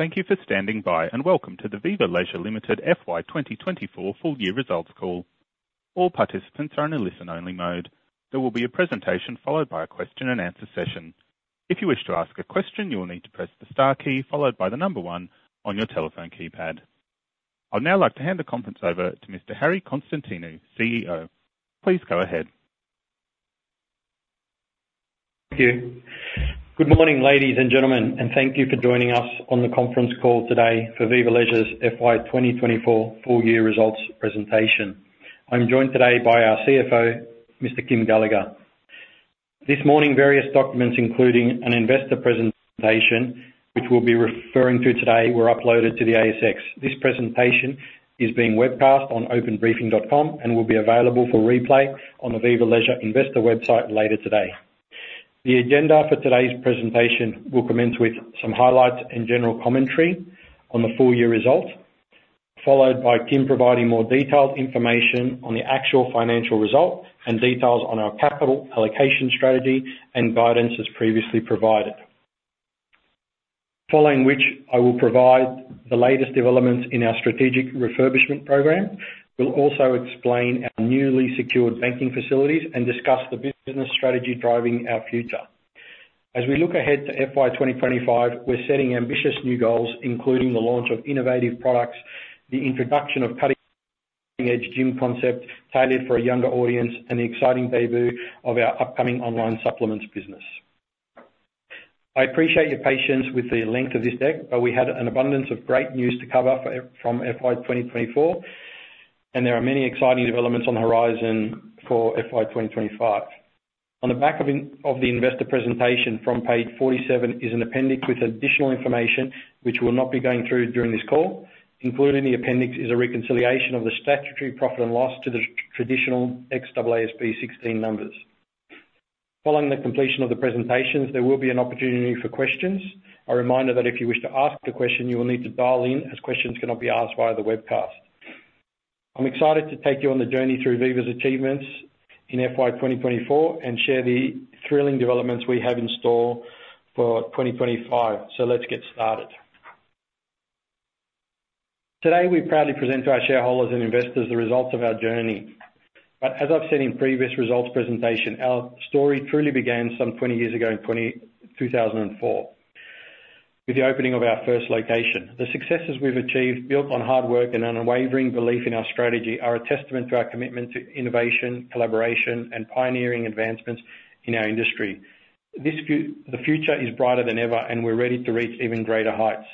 Thank you for standing by, and welcome to the Viva Leisure Limited FY 2024 full year results call. All participants are in a listen-only mode. There will be a presentation followed by a question and answer session. If you wish to ask a question, you will need to press the star key followed by the number one on your telephone keypad. I'd now like to hand the conference over to Mr. Harry Konstantinou, CEO. Please go ahead. Thank you. Good morning, ladies and gentlemen, and thank you for joining us on the conference call today for Viva Leisure's FY 2024 full year results presentation. I'm joined today by our CFO, Mr. Kym Gallagher. This morning, various documents, including an investor presentation, which we'll be referring to today, were uploaded to the ASX. This presentation is being webcast on OpenBriefing.com and will be available for replay on the Viva Leisure investor website later today. The agenda for today's presentation will commence with some highlights and general commentary on the full year results, followed by Kym providing more detailed information on the actual financial results and details on our capital allocation strategy and guidance as previously provided. Following which, I will provide the latest developments in our strategic refurbishment program. We'll also explain our newly secured banking facilities and discuss the business strategy driving our future. As we look ahead to FY 2025, we're setting ambitious new goals, including the launch of innovative products, the introduction of cutting-edge gym concept tailored for a younger audience, and the exciting debut of our upcoming online supplements business. I appreciate your patience with the length of this deck, but we had an abundance of great news to cover from FY 2024, and there are many exciting developments on the horizon for FY 2025. On the back of the investor presentation from page 47 is an appendix with additional information which we'll not be going through during this call. Included in the appendix is a reconciliation of the statutory profit and loss to the traditional ex-AASB 16 numbers. Following the completion of the presentations, there will be an opportunity for questions. A reminder that if you wish to ask a question, you will need to dial in, as questions cannot be asked via the webcast. I'm excited to take you on the journey through Viva's achievements in FY 2024 and share the thrilling developments we have in store for 2025. So let's get started. Today, we proudly present to our shareholders and investors the results of our journey. But as I've said in previous results presentation, our story truly began some 20 years ago, in 2004, with the opening of our first location. The successes we've achieved, built on hard work and unwavering belief in our strategy, are a testament to our commitment to innovation, collaboration, and pioneering advancements in our industry. The future is brighter than ever, and we're ready to reach even greater heights.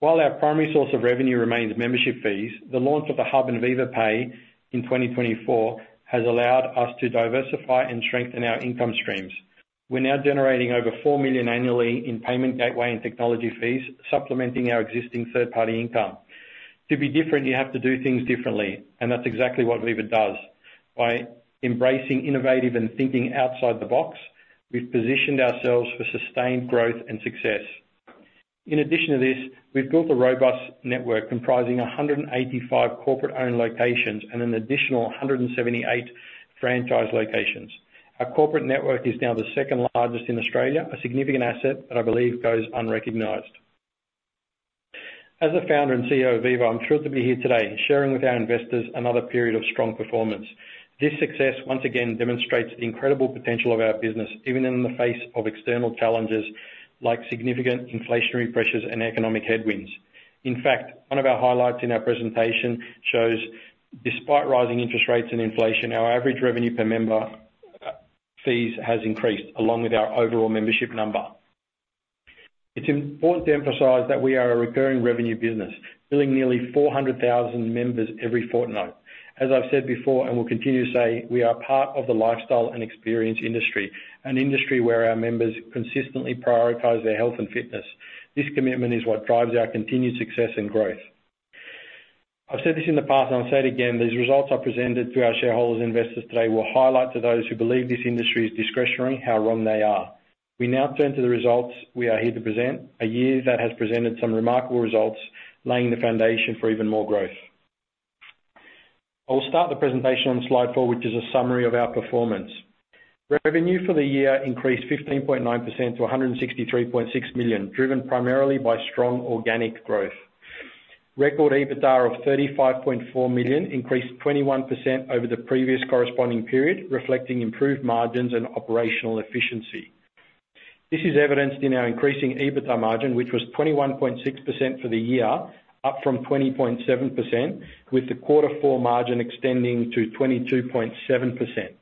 While our primary source of revenue remains membership fees, the launch of The Hub and Viva Pay in 2024 has allowed us to diversify and strengthen our income streams. We're now generating over 4 million annually in payment gateway and technology fees, supplementing our existing third-party income. To be different, you have to do things differently, and that's exactly what Viva does. By embracing innovative and thinking outside the box, we've positioned ourselves for sustained growth and success. In addition to this, we've built a robust network comprising 185 corporate-owned locations and an additional 178 franchise locations. Our corporate network is now the second largest in Australia, a significant asset that I believe goes unrecognized. As the founder and CEO of Viva, I'm thrilled to be here today, sharing with our investors another period of strong performance. This success once again demonstrates the incredible potential of our business, even in the face of external challenges like significant inflationary pressures and economic headwinds. In fact, one of our highlights in our presentation shows, despite rising interest rates and inflation, our average revenue per member, fees has increased along with our overall membership number. It's important to emphasize that we are a recurring revenue business, billing nearly 400,000 members every fortnight. As I've said before and will continue to say, we are part of the lifestyle and experience industry, an industry where our members consistently prioritize their health and fitness. This commitment is what drives our continued success and growth. I've said this in the past, and I'll say it again: These results I've presented to our shareholders and investors today will highlight to those who believe this industry is discretionary, how wrong they are. We now turn to the results we are here to present, a year that has presented some remarkable results, laying the foundation for even more growth. I'll start the presentation on slide 4, which is a summary of our performance. Revenue for the year increased 15.9% to 163.6 million, driven primarily by strong organic growth. Record EBITDA of 35.4 million increased 21% over the previous corresponding period, reflecting improved margins and operational efficiency. This is evidenced in our increasing EBITDA margin, which was 21.6% for the year, up from 20.7%, with the Quarter four margin extending to 22.7%.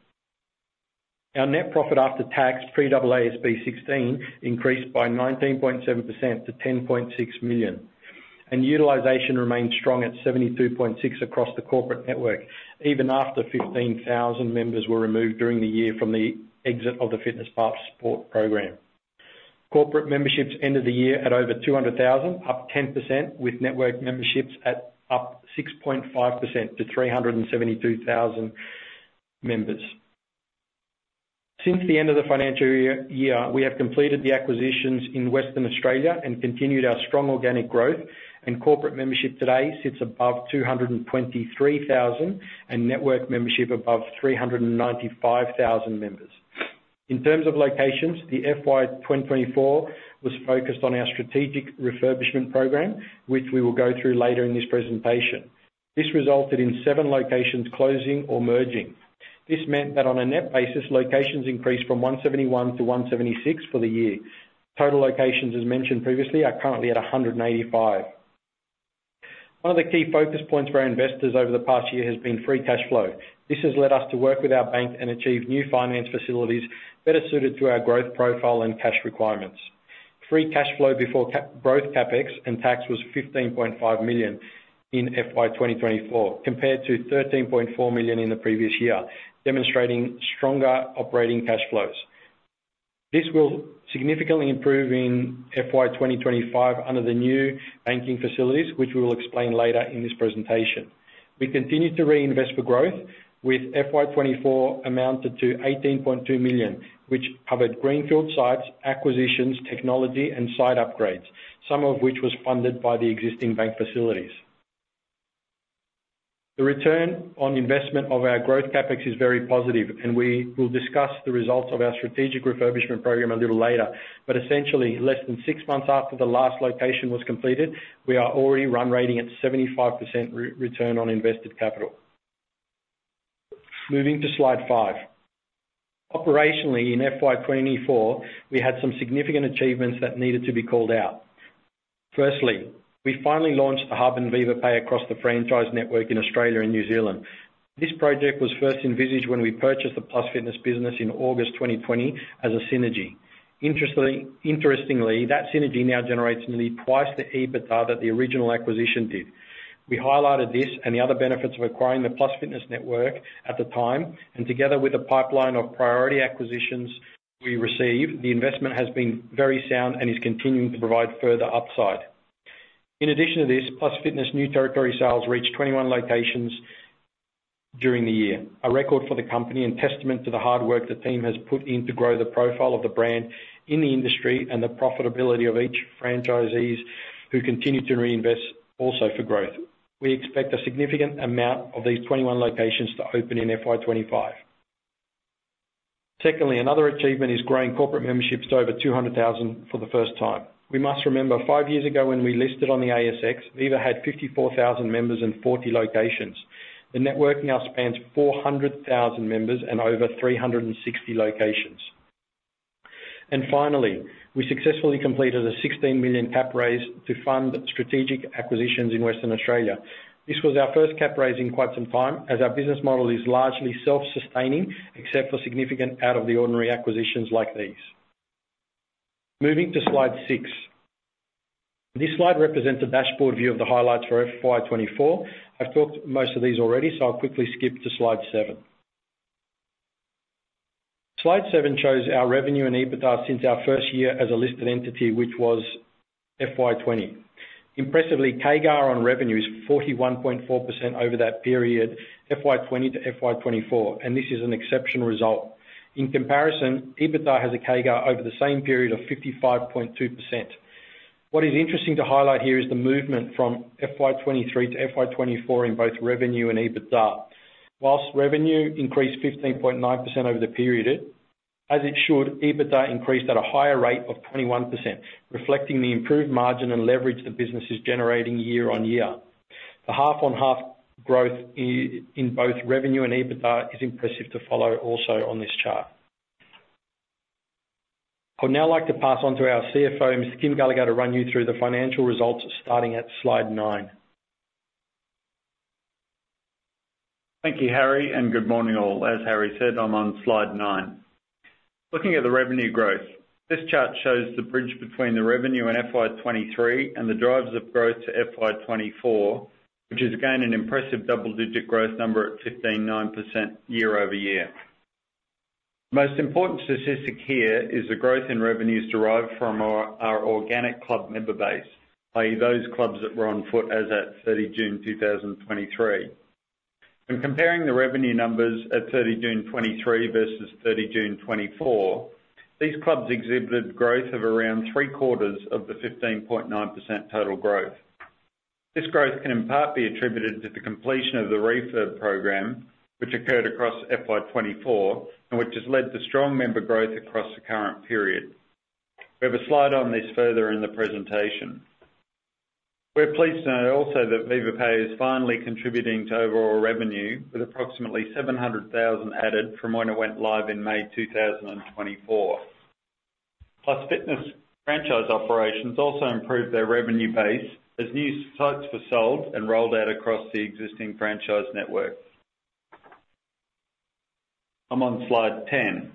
Our net profit after tax, pre-AASB 16, increased by 19.7% to 10.6 million, and utilization remained strong at 72.6 across the corporate network, even after 15,000 members were removed during the year from the exit of the Fitness Passport Program. Corporate memberships ended the year at over 200,000, up 10%, with network memberships at up 6.5% to 372,000 members. Since the end of the financial year, we have completed the acquisitions in Western Australia and continued our strong organic growth, and corporate membership today sits above 223,000, and network membership above 395,000 members. In terms of locations, the FY 2024 was focused on our strategic refurbishment program, which we will go through later in this presentation. This resulted in seven locations closing or merging. This meant that on a net basis, locations increased from 171 to 176 for the year. Total locations, as mentioned previously, are currently at 185. One of the key focus points for our investors over the past year has been free cash flow. This has led us to work with our bank and achieve new finance facilities better suited to our growth profile and cash requirements. Free cash flow before growth, CapEx and tax was 15.5 million in FY 2024, compared to 13.4 million in the previous year, demonstrating stronger operating cash flows. This will significantly improve in FY 2025 under the new banking facilities, which we will explain later in this presentation. We continue to reinvest for growth, with FY 2024 amounted to 18.2 million, which covered greenfield sites, acquisitions, technology, and site upgrades, some of which was funded by the existing bank facilities. The return on investment of our growth CapEx is very positive, and we will discuss the results of our strategic refurbishment program a little later. But essentially, less than six months after the last location was completed, we are already run rating at 75% return on invested capital. Moving to slide 5. Operationally, in FY 2024, we had some significant achievements that needed to be called out. Firstly, we finally launched the Hub and Viva Pay across the franchise network in Australia and New Zealand. This project was first envisaged when we purchased the Plus Fitness business in August 2020 as a synergy. Interestingly, that synergy now generates nearly twice the EBITDA that the original acquisition did. We highlighted this and the other benefits of acquiring the Plus Fitness network at the time, and together with a pipeline of priority acquisitions we received, the investment has been very sound and is continuing to provide further upside. In addition to this, Plus Fitness new territory sales reached 21 locations during the year, a record for the company and testament to the hard work the team has put in to grow the profile of the brand in the industry, and the profitability of each franchisees, who continue to reinvest also for growth. We expect a significant amount of these 21 locations to open in FY 2025. Secondly, another achievement is growing corporate memberships to over 200,000 for the first time. We must remember, five years ago, when we listed on the ASX, Viva had 54,000 members in 40 locations. The network now spans 400,000 members and over 360 locations. And finally, we successfully completed a 16 million cap raise to fund strategic acquisitions in Western Australia. This was our first cap raise in quite some time, as our business model is largely self-sustaining, except for significant out-of-the-ordinary acquisitions like these. Moving to slide 6. This slide represents a dashboard view of the highlights for FY 2024. I've talked most of these already, so I'll quickly skip to slide 7. Slide 7 shows our revenue and EBITDA since our first year as a listed entity, which was FY 2020. Impressively, CAGR on revenue is 41.4% over that period, FY 2020 to FY 2024, and this is an exceptional result. In comparison, EBITDA has a CAGR over the same period of 55.2%. What is interesting to highlight here is the movement from FY 2023 to FY 2024 in both revenue and EBITDA. While revenue increased 15.9% over the period, as it should, EBITDA increased at a higher rate of 21%, reflecting the improved margin and leverage the business is generating year-on-year. The half-on-half growth in both revenue and EBITDA is impressive to follow also on this chart. I'd now like to pass on to our CFO, Mr. Kym Gallagher, to run you through the financial results starting at Slide 9. Thank you, Harry, and good morning, all. As Harry said, I'm on slide 9. Looking at the revenue growth, this chart shows the bridge between the revenue in FY 2023 and the drivers of growth to FY 2024, which is, again, an impressive double-digit growth number at 15.9% year-over-year. Most important statistic here is the growth in revenues derived from our, our organic club member base, i.e., those clubs that were on foot as at 30 June 2023. When comparing the revenue numbers at 30 June 2023 versus 30 June 2024, these clubs exhibited growth of around three quarters of the 15.9% total growth. This growth can in part be attributed to the completion of the refurb program, which occurred across FY 2024, and which has led to strong member growth across the current period. We have a slide on this further in the presentation. We're pleased to note also that Viva Pay is finally contributing to overall revenue, with approximately 700,000 added from when it went live in May 2024. Plus Fitness franchise operations also improved their revenue base as new sites were sold and rolled out across the existing franchise network. I'm on slide 10.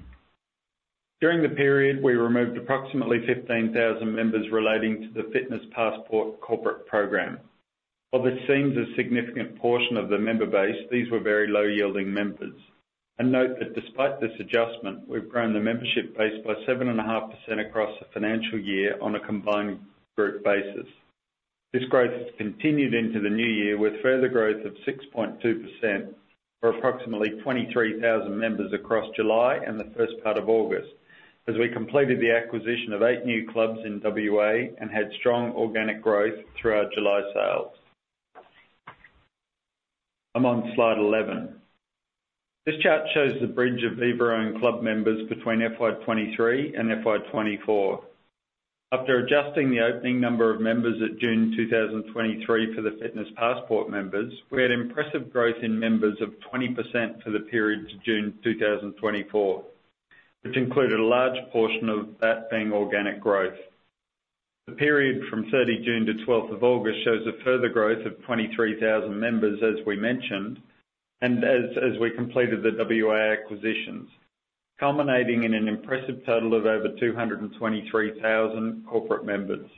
During the period, we removed approximately 15,000 members relating to the Fitness Passport corporate program. While this seems a significant portion of the member base, these were very low-yielding members. Note that despite this adjustment, we've grown the membership base by 7.5% across the financial year on a combined group basis. This growth has continued into the new year, with further growth of 6.2%, or approximately 23,000 members across July and the first part of August, as we completed the acquisition of 8 new clubs in WA and had strong organic growth through our July sales.... I'm on slide 11. This chart shows the bridge of Viva owned club members between FY 2023 and FY 2024. After adjusting the opening number of members at June 2023 for the Fitness Passport members, we had impressive growth in members of 20% for the period to June 2024, which included a large portion of that being organic growth. The period from 30 June to 12th of August shows a further growth of 23,000 members, as we mentioned, and as we completed the WA acquisitions, culminating in an impressive total of over 223,000 corporate members.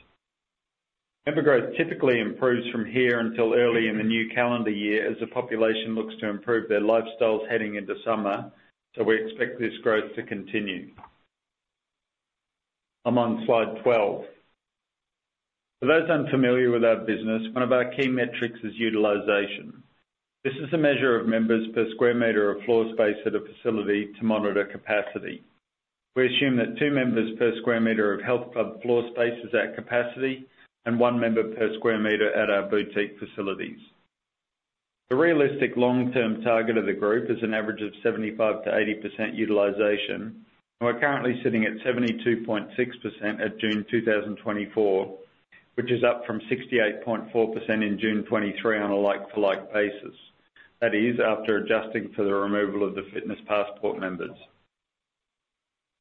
Member growth typically improves from here until early in the new calendar year, as the population looks to improve their lifestyles heading into summer, so we expect this growth to continue. I'm on slide 12. For those unfamiliar with our business, one of our key metrics is utilization. This is a measure of members per square meter of floor space at a facility to monitor capacity. We assume that 2 members per square meter of health club floor space is at capacity, and 1 member per square meter at our boutique facilities. The realistic long-term target of the group is an average of 75% to 80% utilization, and we're currently sitting at 72.6% at June 2024, which is up from 68.4% in June 2023 on a like-to-like basis. That is, after adjusting for the removal of the Fitness Passport members.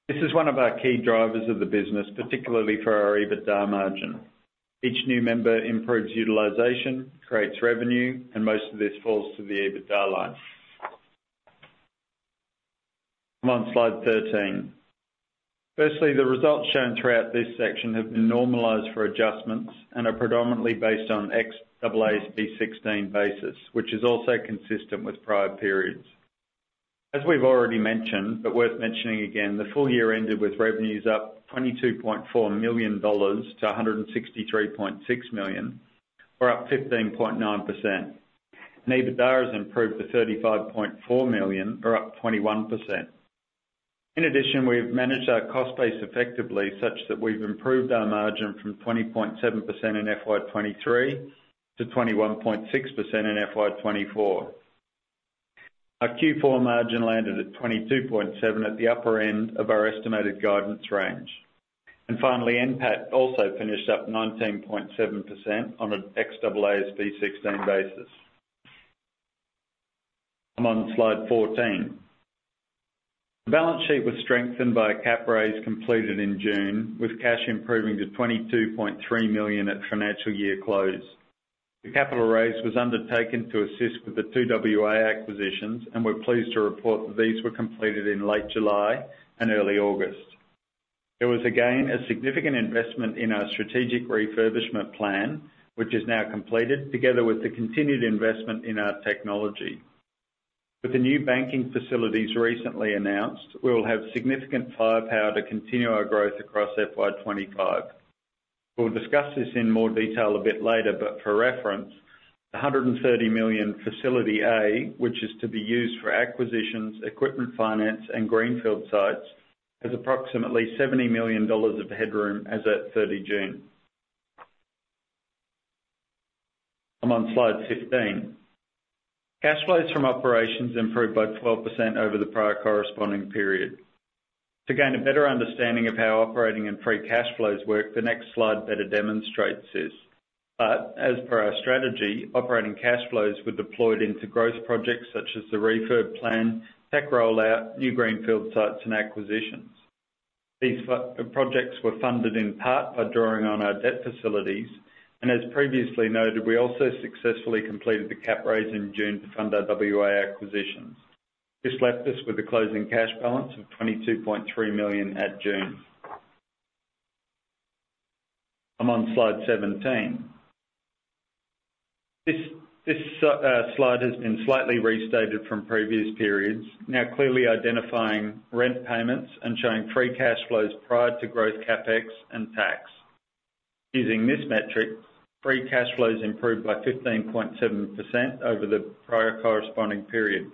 This is one of our key drivers of the business, particularly for our EBITDA margin. Each new member improves utilization, creates revenue, and most of this falls to the EBITDA line. I'm on slide 13. Firstly, the results shown throughout this section have been normalized for adjustments and are predominantly based on AASB 16 basis, which is also consistent with prior periods. As we've already mentioned, but worth mentioning again, the full year ended with revenues up 22.4 million dollars to 163.6 million, or up 15.9%. Net EBITDA has improved to 35.4 million, or up 21%. In addition, we've managed our cost base effectively, such that we've improved our margin from 20.7% in FY 2023 to 21.6% in FY 2024. Our Q4 margin landed at 22.7% at the upper end of our estimated guidance range. And finally, NPAT also finished up 19.7% on an AASB 16 basis. I'm on slide 14. The balance sheet was strengthened by a cap raise completed in June, with cash improving to 22.3 million at financial year close. The capital raise was undertaken to assist with the 2 WA acquisitions, and we're pleased to report that these were completed in late July and early August. It was, again, a significant investment in our strategic refurbishment plan, which is now completed, together with the continued investment in our technology. With the new banking facilities recently announced, we'll have significant firepower to continue our growth across FY 25. We'll discuss this in more detail a bit later, but for reference, 130 million Facility A, which is to be used for acquisitions, equipment finance, and greenfield sites, has approximately 70 million dollars of headroom as at 30 June. I'm on slide 15. Cash flows from operations improved by 12% over the prior corresponding period. To gain a better understanding of how operating and free cash flows work, the next slide better demonstrates this. But, as per our strategy, operating cash flows were deployed into growth projects such as the refurb plan, tech rollout, new greenfield sites, and acquisitions. These projects were funded in part by drawing on our debt facilities, and as previously noted, we also successfully completed the cap raise in June to fund our WA acquisitions. This left us with a closing cash balance of 22.3 million at June. I'm on slide 17. This slide has been slightly restated from previous periods, now clearly identifying rent payments and showing free cash flows prior to growth CapEx and tax. Using this metric, free cash flows improved by 15.7% over the prior corresponding period.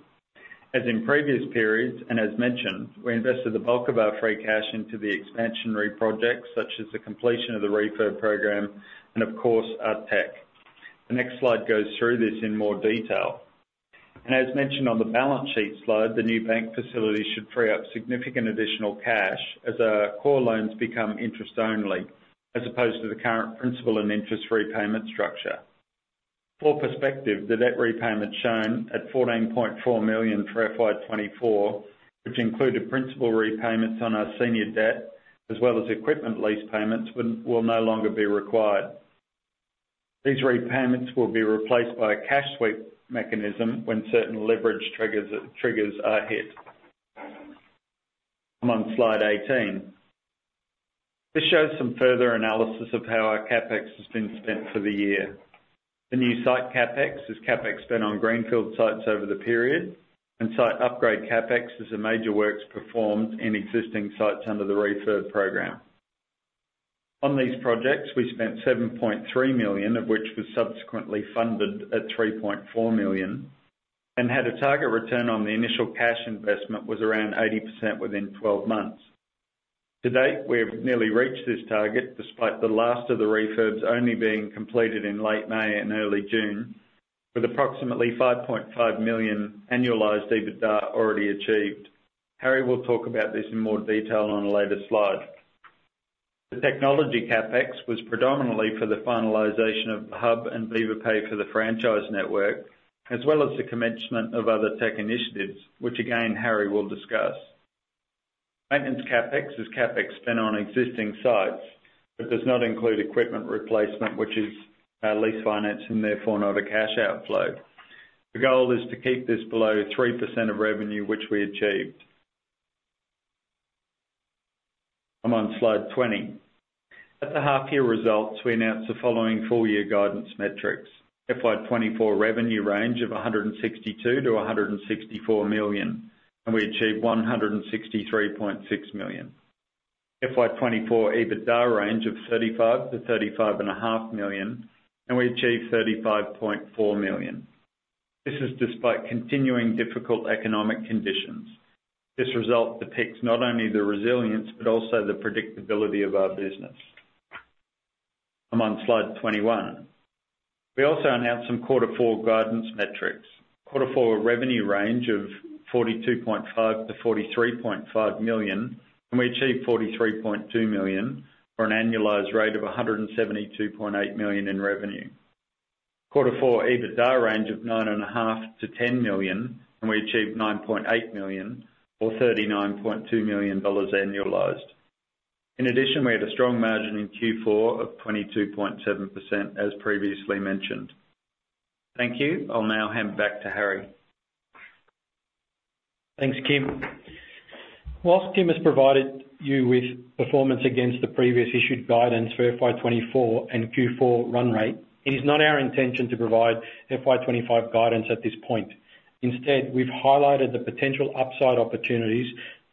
As in previous periods, and as mentioned, we invested the bulk of our free cash into the expansionary projects, such as the completion of the refurb program and of course, our tech. The next slide goes through this in more detail. As mentioned on the balance sheet slide, the new bank facility should free up significant additional cash as our core loans become interest-only, as opposed to the current principal and interest repayment structure. For perspective, the debt repayment shown at 14.4 million for FY 2024, which included principal repayments on our senior debt, as well as equipment lease payments, will no longer be required. These repayments will be replaced by a cash sweep mechanism when certain leverage triggers are hit. I'm on slide 18. This shows some further analysis of how our CapEx has been spent for the year. The new site CapEx is CapEx spent on greenfield sites over the period, and site upgrade CapEx is the major works performed in existing sites under the refurb program. On these projects, we spent 7.3 million, of which was subsequently funded at 3.4 million, and had a target return on the initial cash investment was around 80% within 12 months. To date, we've nearly reached this target, despite the last of the refurbs only being completed in late May and early June, with approximately 5.5 million annualized EBITDA already achieved. Harry will talk about this in more detail on a later slide. The technology CapEx was predominantly for the finalization of Hub and Viva Pay for the franchise network, as well as the commencement of other tech initiatives, which again, Harry will discuss. Maintenance CapEx is CapEx spent on existing sites, but does not include equipment replacement, which is lease finance and therefore not a cash outflow. The goal is to keep this below 3% of revenue, which we achieved. I'm on slide 20. At the half year results, we announced the following full year guidance metrics: FY 2024 revenue range of 162 million - 164 million, and we achieved 163.6 million. FY 2024 EBITDA range of 35 million-35.5 million, and we achieved 35.4 million. This is despite continuing difficult economic conditions. This result depicts not only the resilience, but also the predictability of our business. I'm on slide 21. We also announced some quarter four guidance metrics. Q4 revenue range of 42.5 million-43.5 million, and we achieved 43.2 million, for an annualized rate of 172.8 million in revenue. Q4 EBITDA range of 9.5 million-10 million, and we achieved 9.8 million or 39.2 million dollars annualized. In addition, we had a strong margin in Q4 of 22.7%, as previously mentioned. Thank you. I'll now hand back to Harry. Thanks, Kym. While Kym has provided you with performance against the previous issued guidance for FY 2024 and Q4 run rate, it is not our intention to provide FY 2025 guidance at this point. Instead, we've highlighted the potential upside opportunities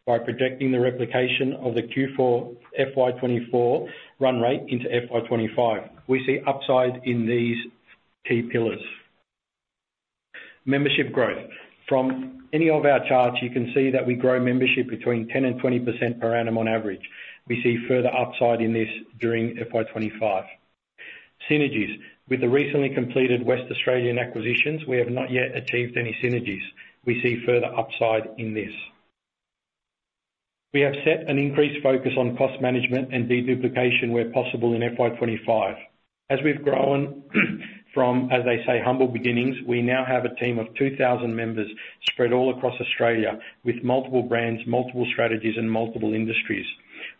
by projecting the replication of the Q4 FY 2024 run rate into FY 2025. We see upside in these key pillars. Membership growth. From any of our charts, you can see that we grow membership between 10%-20% per annum on average. We see further upside in this during FY 2025. Synergies. With the recently completed West Australian acquisitions, we have not yet achieved any synergies. We see further upside in this. We have set an increased focus on cost management and deduplication where possible in FY 2025. As we've grown, from, as I say, humble beginnings, we now have a team of 2,000 members spread all across Australia with multiple brands, multiple strategies, and multiple industries.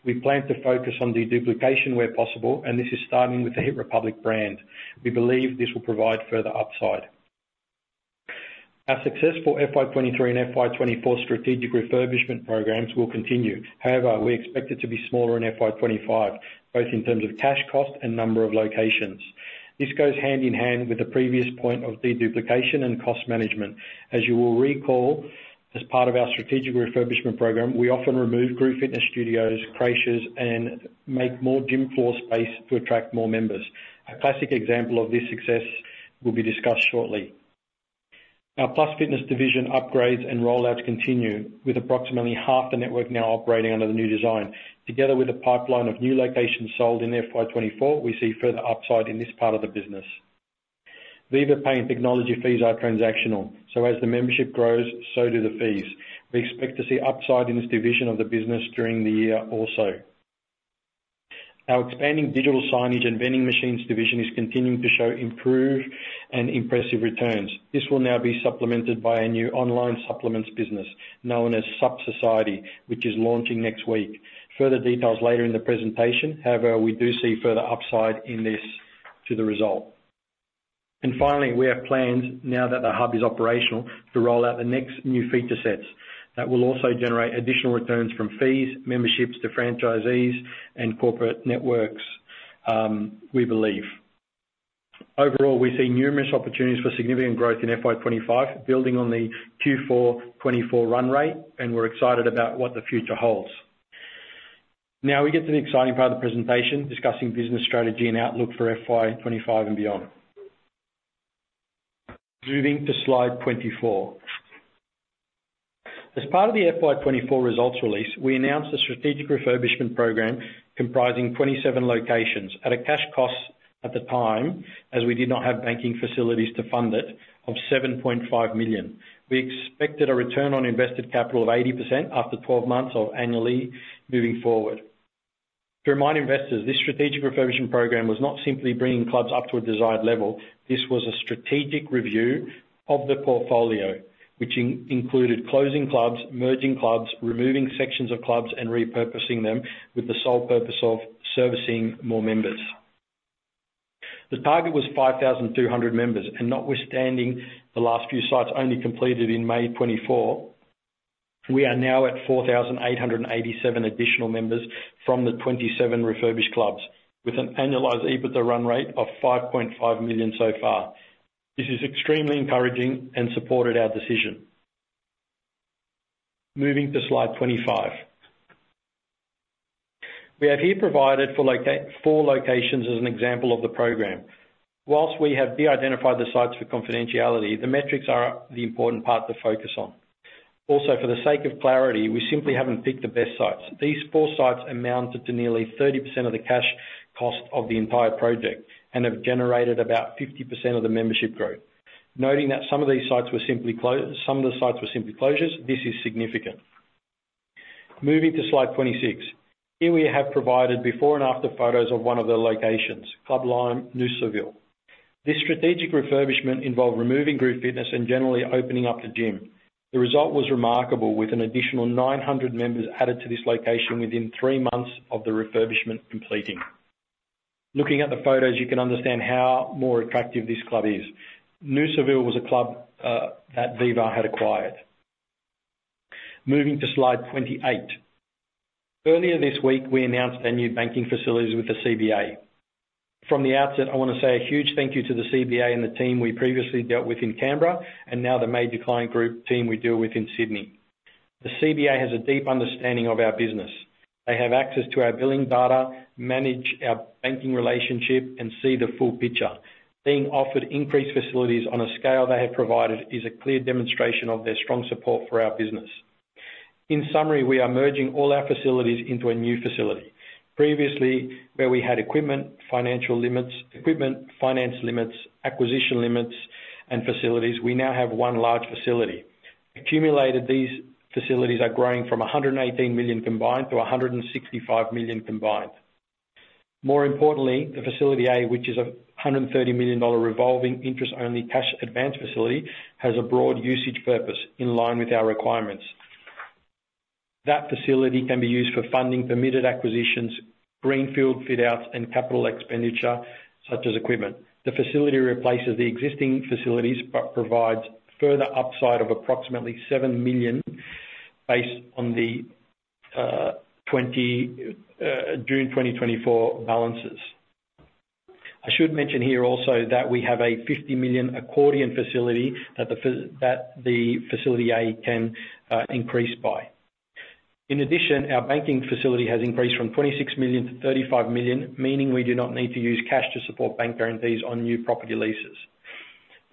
We plan to focus on deduplication where possible, and this is starting with the HIIT Republic brand. We believe this will provide further upside. Our successful FY 2023 and FY 2024 strategic refurbishment programs will continue. However, we expect it to be smaller in FY 2025, both in terms of cash cost and number of locations. This goes hand in hand with the previous point of deduplication and cost management. As you will recall, as part of our strategic refurbishment program, we often remove group fitness studios, creches, and make more gym floor space to attract more members. A classic example of this success will be discussed shortly. Our Plus Fitness division upgrades and rollouts continue, with approximately half the network now operating under the new design. Together with a pipeline of new locations sold in FY 2024, we see further upside in this part of the business. Viva Pay technology fees are transactional, so as the membership grows, so do the fees. We expect to see upside in this division of the business during the year also. Our expanding digital signage and vending machines division is continuing to show improved and impressive returns. This will now be supplemented by a new online supplements business known as Supps Society, which is launching next week. Further details later in the presentation, however, we do see further upside in this to the result. And finally, we have plans now that The Hub is operational, to roll out the next new feature sets. That will also generate additional returns from fees, memberships to franchisees, and corporate networks, we believe. Overall, we see numerous opportunities for significant growth in FY 2025, building on the Q4 2024 run rate, and we're excited about what the future holds. Now, we get to the exciting part of the presentation, discussing business strategy and outlook for FY 2025 and beyond. Moving to slide 24. As part of the FY 2024 results release, we announced a strategic refurbishment program comprising 27 locations at a cash cost at the time, as we did not have banking facilities to fund it, of 7.5 million. We expected a return on invested capital of 80% after 12 months or annually moving forward. To remind investors, this strategic refurbishment program was not simply bringing clubs up to a desired level, this was a strategic review of the portfolio, which included closing clubs, merging clubs, removing sections of clubs, and repurposing them, with the sole purpose of servicing more members. The target was 5,200 members, and notwithstanding the last few sites only completed in May 2024, we are now at 4,887 additional members from the 27 refurbished clubs, with an annualized EBITDA run rate of 5.5 million so far. This is extremely encouraging and supported our decision. Moving to slide 25.... We have here provided for four locations as an example of the program. While we have de-identified the sites for confidentiality, the metrics are the important part to focus on. Also, for the sake of clarity, we simply haven't picked the best sites. These four sites amounted to nearly 30% of the cash cost of the entire project and have generated about 50% of the membership growth. Noting that some of these sites were simply closures, this is significant. Moving to slide 26. Here, we have provided before and after photos of one of the locations, Club Lime, Noosaville. This strategic refurbishment involved removing group fitness and generally opening up the gym. The result was remarkable, with an additional 900 members added to this location within 3 months of the refurbishment completing. Looking at the photos, you can understand how more attractive this club is. Noosaville was a club that Viva had acquired. Moving to slide 28. Earlier this week, we announced our new banking facilities with the CBA. From the outset, I want to say a huge thank you to the CBA and the team we previously dealt with in Canberra, and now the major client group team we deal with in Sydney. The CBA has a deep understanding of our business. They have access to our billing data, manage our banking relationship, and see the full picture. Being offered increased facilities on a scale they have provided is a clear demonstration of their strong support for our business. In summary, we are merging all our facilities into a new facility. Previously, where we had equipment finance limits, acquisition limits, and facilities, we now have one large facility. Accumulated, these facilities are growing from 118 million combined to 165 million combined. More importantly, the Facility A, which is 130 million dollar revolving interest-only cash advance facility, has a broad usage purpose in line with our requirements. That facility can be used for funding permitted acquisitions, greenfield fit-outs, and capital expenditure, such as equipment. The facility replaces the existing facilities, but provides further upside of approximately 7 million, based on the 20 June 2024 balances. I should mention here also that we have a 50 million accordion facility that the Facility A can increase by. In addition, our banking facility has increased from 26 million to 35 million, meaning we do not need to use cash to support bank guarantees on new property leases.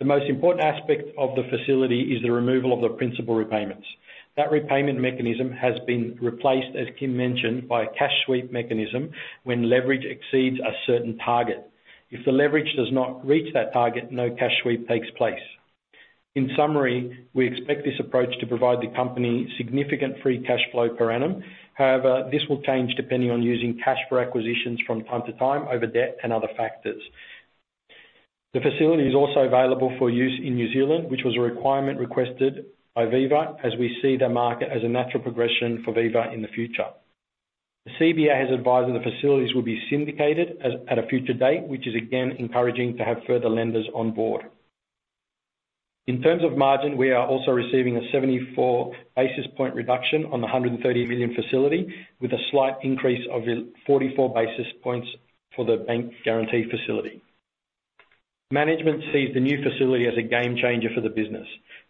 The most important aspect of the facility is the removal of the principal repayments. That repayment mechanism has been replaced, as Kym mentioned, by a cash sweep mechanism when leverage exceeds a certain target. If the leverage does not reach that target, no cash sweep takes place. In summary, we expect this approach to provide the company significant free cash flow per annum. However, this will change depending on using cash for acquisitions from time to time, over debt and other factors. The facility is also available for use in New Zealand, which was a requirement requested by Viva, as we see the market as a natural progression for Viva in the future. The CBA has advised that the facilities will be syndicated as at a future date, which is, again, encouraging to have further lenders on board. In terms of margin, we are also receiving a 74 basis point reduction on the 130 million facility, with a slight increase of 44 basis points for the bank guarantee facility. Management sees the new facility as a game changer for the business.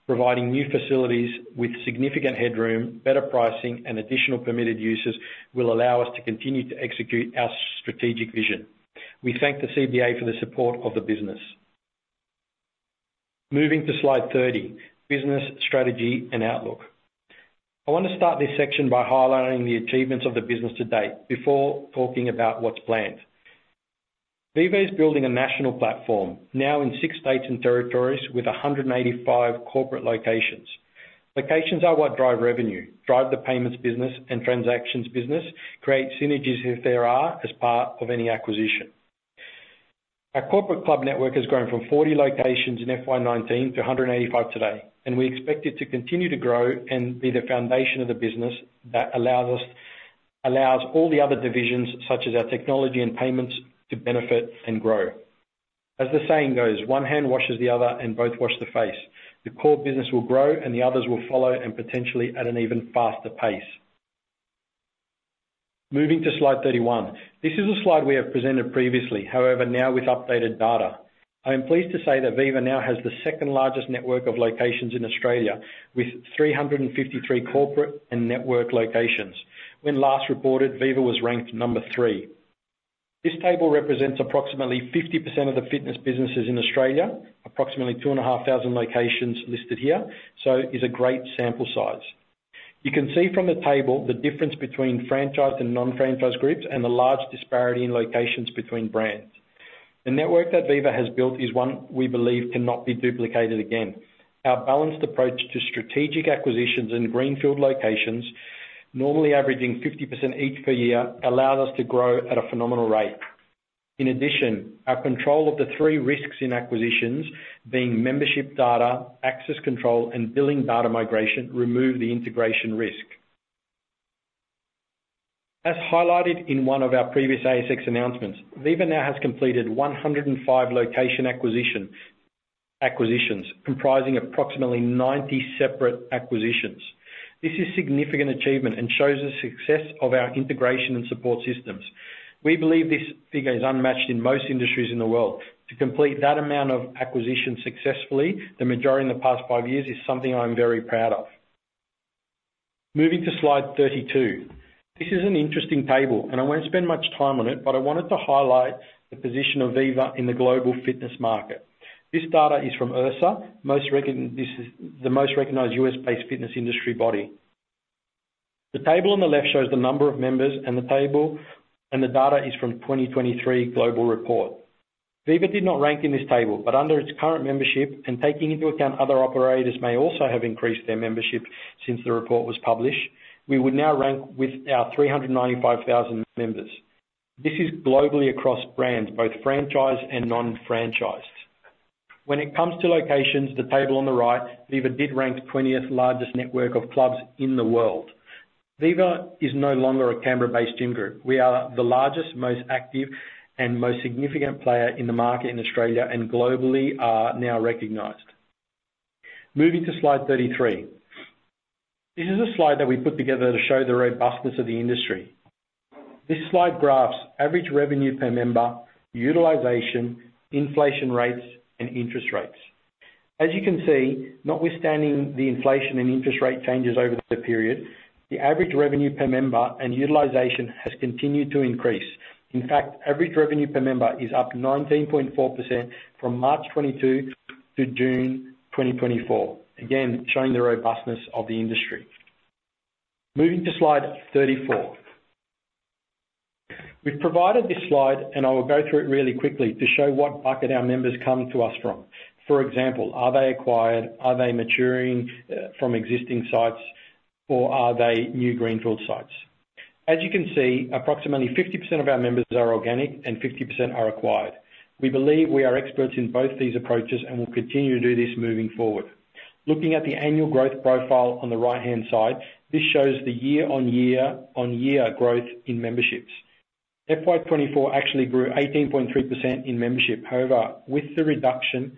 Providing new facilities with significant headroom, better pricing, and additional permitted uses, will allow us to continue to execute our strategic vision. We thank the CBA for the support of the business. Moving to Slide 30: Business Strategy and Outlook. I want to start this section by highlighting the achievements of the business to date before talking about what's planned. Viva is building a national platform now in six states and territories with 185 corporate locations. Locations are what drive revenue, drive the payments business and transactions business, create synergies if there are, as part of any acquisition. Our corporate club network has grown from 40 locations in FY 2019 to 185 today, and we expect it to continue to grow and be the foundation of the business that allows us, allows all the other divisions, such as our technology and payments, to benefit and grow. As the saying goes, "One hand washes the other, and both wash the face." The core business will grow and the others will follow, and potentially at an even faster pace. Moving to Slide 31. This is a slide we have presented previously, however, now with updated data. I am pleased to say that Viva now has the second-largest network of locations in Australia, with 353 corporate and network locations. When last reported, Viva was ranked number 3. This table represents approximately 50% of the fitness businesses in Australia, approximately 2,500 locations listed here, so it's a great sample size. You can see from the table the difference between franchised and non-franchised groups, and the large disparity in locations between brands. The network that Viva has built is one we believe cannot be duplicated again. Our balanced approach to strategic acquisitions in greenfield locations, normally averaging 50% each per year, allows us to grow at a phenomenal rate. In addition, our control of the three risks in acquisitions, being membership data, access control, and billing data migration, remove the integration risk. As highlighted in one of our previous ASX announcements, Viva now has completed 105 location acquisition, acquisitions, comprising approximately 90 separate acquisitions. This is significant achievement, and shows the success of our integration and support system.... We believe this figure is unmatched in most industries in the world. To complete that amount of acquisition successfully, the majority in the past five years, is something I'm very proud of. Moving to Slide 32. This is an interesting table, and I won't spend much time on it, but I wanted to highlight the position of Viva in the global fitness market. This data is from IHRSA, this is the most recognized U.S.-based fitness industry body. The table on the left shows the number of members, and the table, and the data is from 2023 global report. Viva did not rank in this table, but under its current membership, and taking into account other operators may also have increased their membership since the report was published, we would now rank with our 395,000 members. This is globally across brands, both franchise and non-franchise. When it comes to locations, the table on the right, Viva did rank 20th largest network of clubs in the world. Viva is no longer a Canberra-based gym group. We are the largest, most active, and most significant player in the market in Australia, and globally are now recognized. Moving to Slide 33. This is a slide that we put together to show the robustness of the industry. This slide graphs average revenue per member, utilization, inflation rates, and interest rates. As you can see, notwithstanding the inflation and interest rate changes over the period, the average revenue per member and utilization has continued to increase. In fact, average revenue per member is up 19.4% from March 2022 to June 2024. Again, showing the robustness of the industry. Moving to Slide 34. We've provided this slide, and I will go through it really quickly, to show what bucket our members come to us from. For example, are they acquired? Are they maturing from existing sites, or are they new greenfield sites? As you can see, approximately 50% of our members are organic and 50% are acquired. We believe we are experts in both these approaches and will continue to do this moving forward. Looking at the annual growth profile on the right-hand side, this shows the year-on-year growth in memberships. FY 2024 actually grew 18.3% in membership. However, with the reduction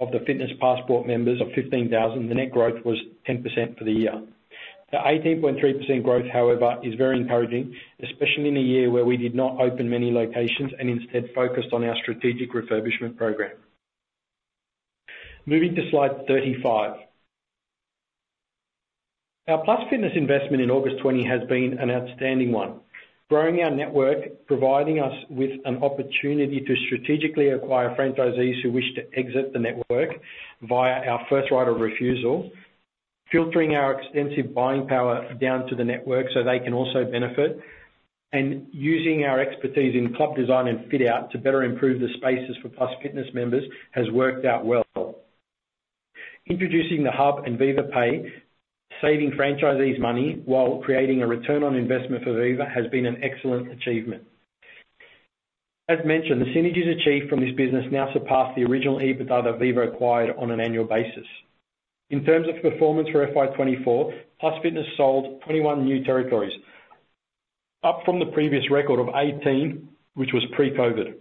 of the Fitness Passport members of 15,000, the net growth was 10% for the year. The 18.3% growth, however, is very encouraging, especially in a year where we did not open many locations and instead focused on our strategic refurbishment program. Moving to Slide 35. Our Plus Fitness investment in August 2020 has been an outstanding one. Growing our network, providing us with an opportunity to strategically acquire franchisees who wish to exit the network via our first right of refusal, filtering our extensive buying power down to the network so they can also benefit, and using our expertise in club design and fit-out to better improve the spaces for Plus Fitness members, has worked out well. Introducing The Hub and Viva Pay, saving franchisees money while creating a return on investment for Viva, has been an excellent achievement. As mentioned, the synergies achieved from this business now surpass the original EBITDA that Viva acquired on an annual basis. In terms of performance for FY 2024, Plus Fitness sold 21 new territories, up from the previous record of 18, which was pre-COVID.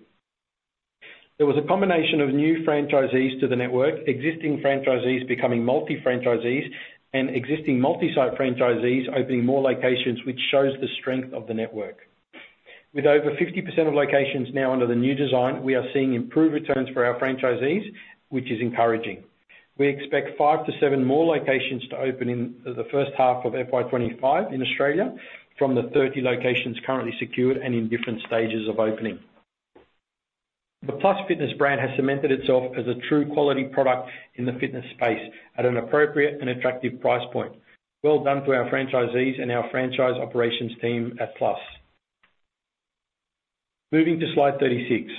There was a combination of new franchisees to the network, existing franchisees becoming multi-franchisees, and existing multi-site franchisees opening more locations, which shows the strength of the network. With over 50% of locations now under the new design, we are seeing improved returns for our franchisees, which is encouraging. We expect 5-7 more locations to open in the first half of FY 2025 in Australia, from the 30 locations currently secured and in different stages of opening. The Plus Fitness brand has cemented itself as a true quality product in the fitness space at an appropriate and attractive price point. Well done to our franchisees and our franchise operations team at Plus. Moving to Slide 36.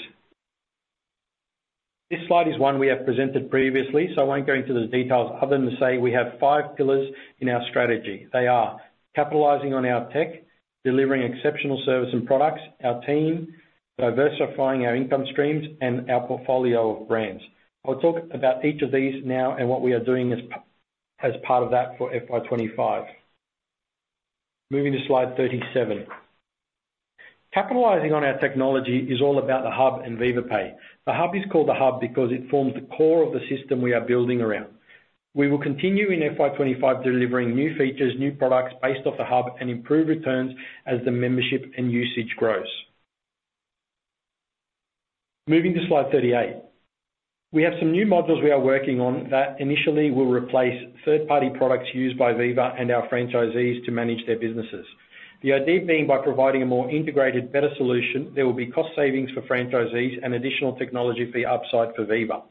This slide is one we have presented previously, so I won't go into the details, other than to say we have five pillars in our strategy. They are: capitalizing on our tech, delivering exceptional service and products, our team, diversifying our income streams, and our portfolio of brands. I'll talk about each of these now and what we are doing as part of that for FY 25. Moving to Slide 37. Capitalizing on our technology is all about The Hub and Viva Pay. The Hub is called The Hub because it forms the core of the system we are building around. We will continue in FY 25, delivering new features, new products based off The Hub, and improve returns as the membership and usage grows. Moving to Slide 38. We have some new modules we are working on that initially will replace third-party products used by Viva and our franchisees to manage their businesses. The idea being, by providing a more integrated, better solution, there will be cost savings for franchisees and additional technology fee upside for Viva.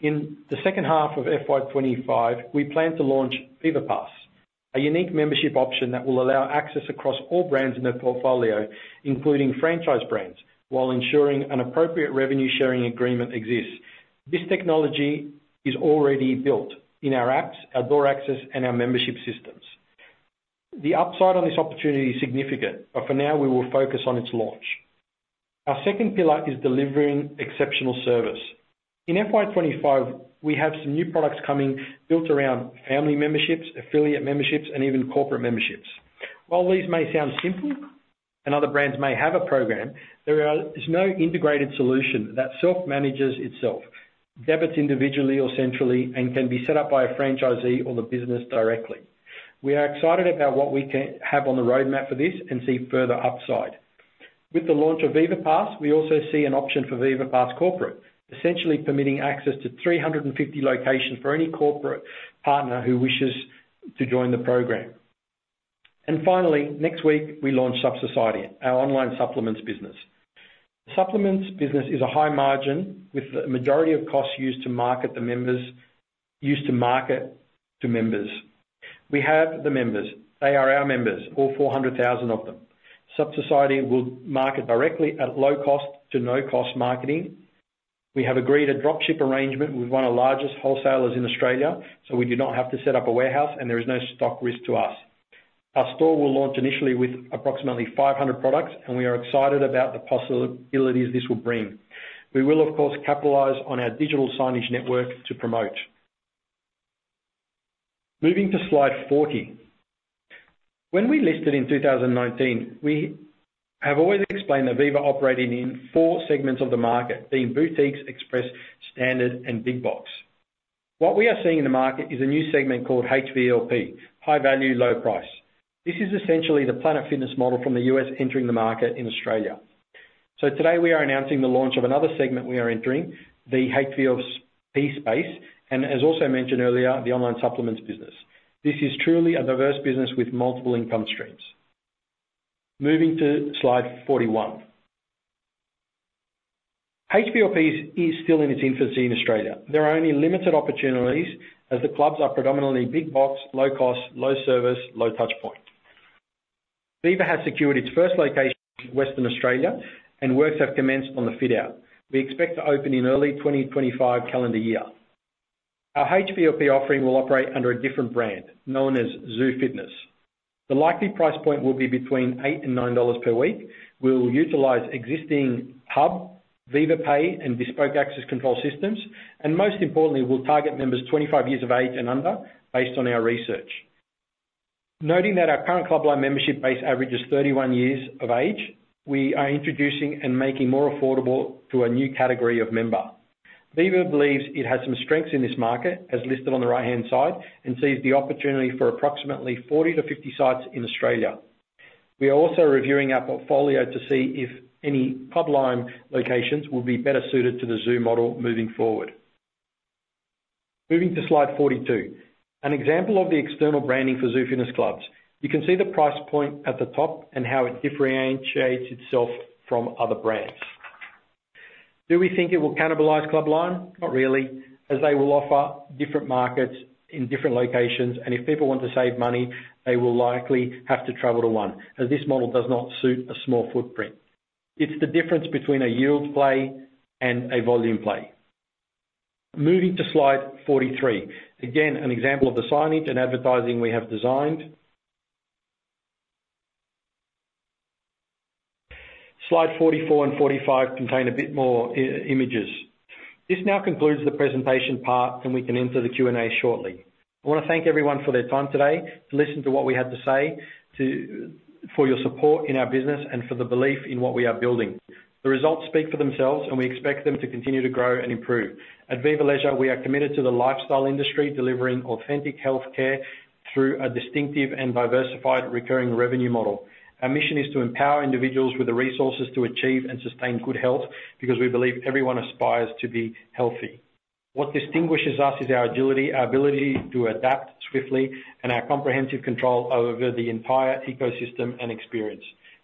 In the second half of FY 25, we plan to launch Viva Pass, a unique membership option that will allow access across all brands in their portfolio, including franchise brands, while ensuring an appropriate revenue-sharing agreement exists. This technology is already built in our apps, our door access, and our membership systems. The upside on this opportunity is significant, but for now, we will focus on its launch. Our second pillar is delivering exceptional service. In FY 25, we have some new products coming built around family memberships, affiliate memberships, and even corporate memberships. While these may sound simple, and other brands may have a program, there is no integrated solution that self-manages itself, debits individually or centrally, and can be set up by a franchisee or the business directly.... We are excited about what we can have on the roadmap for this and see further upside. With the launch of Viva Pass, we also see an option for Viva Pass Corporate, essentially permitting access to 350 locations for any corporate partner who wishes to join the program. And finally, next week, we launch Supps Society, our online supplements business. Supplements business is a high margin, with the majority of costs used to market to members. We have the members. They are our members, all 400,000 of them. Supps Society will market directly at low cost to no-cost marketing. We have agreed a drop ship arrangement with one of the largest wholesalers in Australia, so we do not have to set up a warehouse, and there is no stock risk to us. Our store will launch initially with approximately 500 products, and we are excited about the possibilities this will bring. We will, of course, capitalize on our digital signage network to promote. Moving to slide 40. When we listed in 2019, we have always explained that Viva operated in four segments of the market, being boutiques, express, standard, and big box. What we are seeing in the market is a new segment called HVLP, High Value, Low Price. This is essentially the Planet Fitness model from the U.S. entering the market in Australia. So today, we are announcing the launch of another segment we are entering, the HVLP space, and as also mentioned earlier, the online supplements business. This is truly a diverse business with multiple income streams. Moving to slide 41. HVLP is still in its infancy in Australia. There are only limited opportunities, as the clubs are predominantly big box, low cost, low service, low touch point. Viva has secured its first location in Western Australia, and works have commenced on the fit-out. We expect to open in early 2025 calendar year. Our HVLP offering will operate under a different brand, known as Zoo Fitness. The likely price point will be between 8 and 9 dollars per week. We'll utilize existing Hub, Viva Pay, and bespoke access control systems, and most importantly, we'll target members 25 years of age and under, based on our research. Noting that our current Club Lime membership base averages 31 years of age, we are introducing and making more affordable to a new category of member. Viva believes it has some strengths in this market, as listed on the right-hand side, and sees the opportunity for approximately 40-50 sites in Australia. We are also reviewing our portfolio to see if any Club Lime locations will be better suited to the Zoo Fitness model moving forward. Moving to slide 42. An example of the external branding for Zoo Fitness clubs. You can see the price point at the top and how it differentiates itself from other brands. Do we think it will cannibalize Club Lime? Not really, as they will offer different markets in different locations, and if people want to save money, they will likely have to travel to one, as this model does not suit a small footprint. It's the difference between a yield play and a volume play. Moving to slide 43. Again, an example of the signage and advertising we have designed. Slide 44 and 45 contain a bit more images. This now concludes the presentation part, and we can enter the Q&A shortly. I want to thank everyone for their time today, to listen to what we had to say, to, for your support in our business and for the belief in what we are building. The results speak for themselves, and we expect them to continue to grow and improve. At Viva Leisure, we are committed to the lifestyle industry, delivering authentic healthcare through a distinctive and diversified recurring revenue model. Our mission is to empower individuals with the resources to achieve and sustain good health, because we believe everyone aspires to be healthy. What distinguishes us is our agility, our ability to adapt swiftly, and our comprehensive control over the entire ecosystem and experience.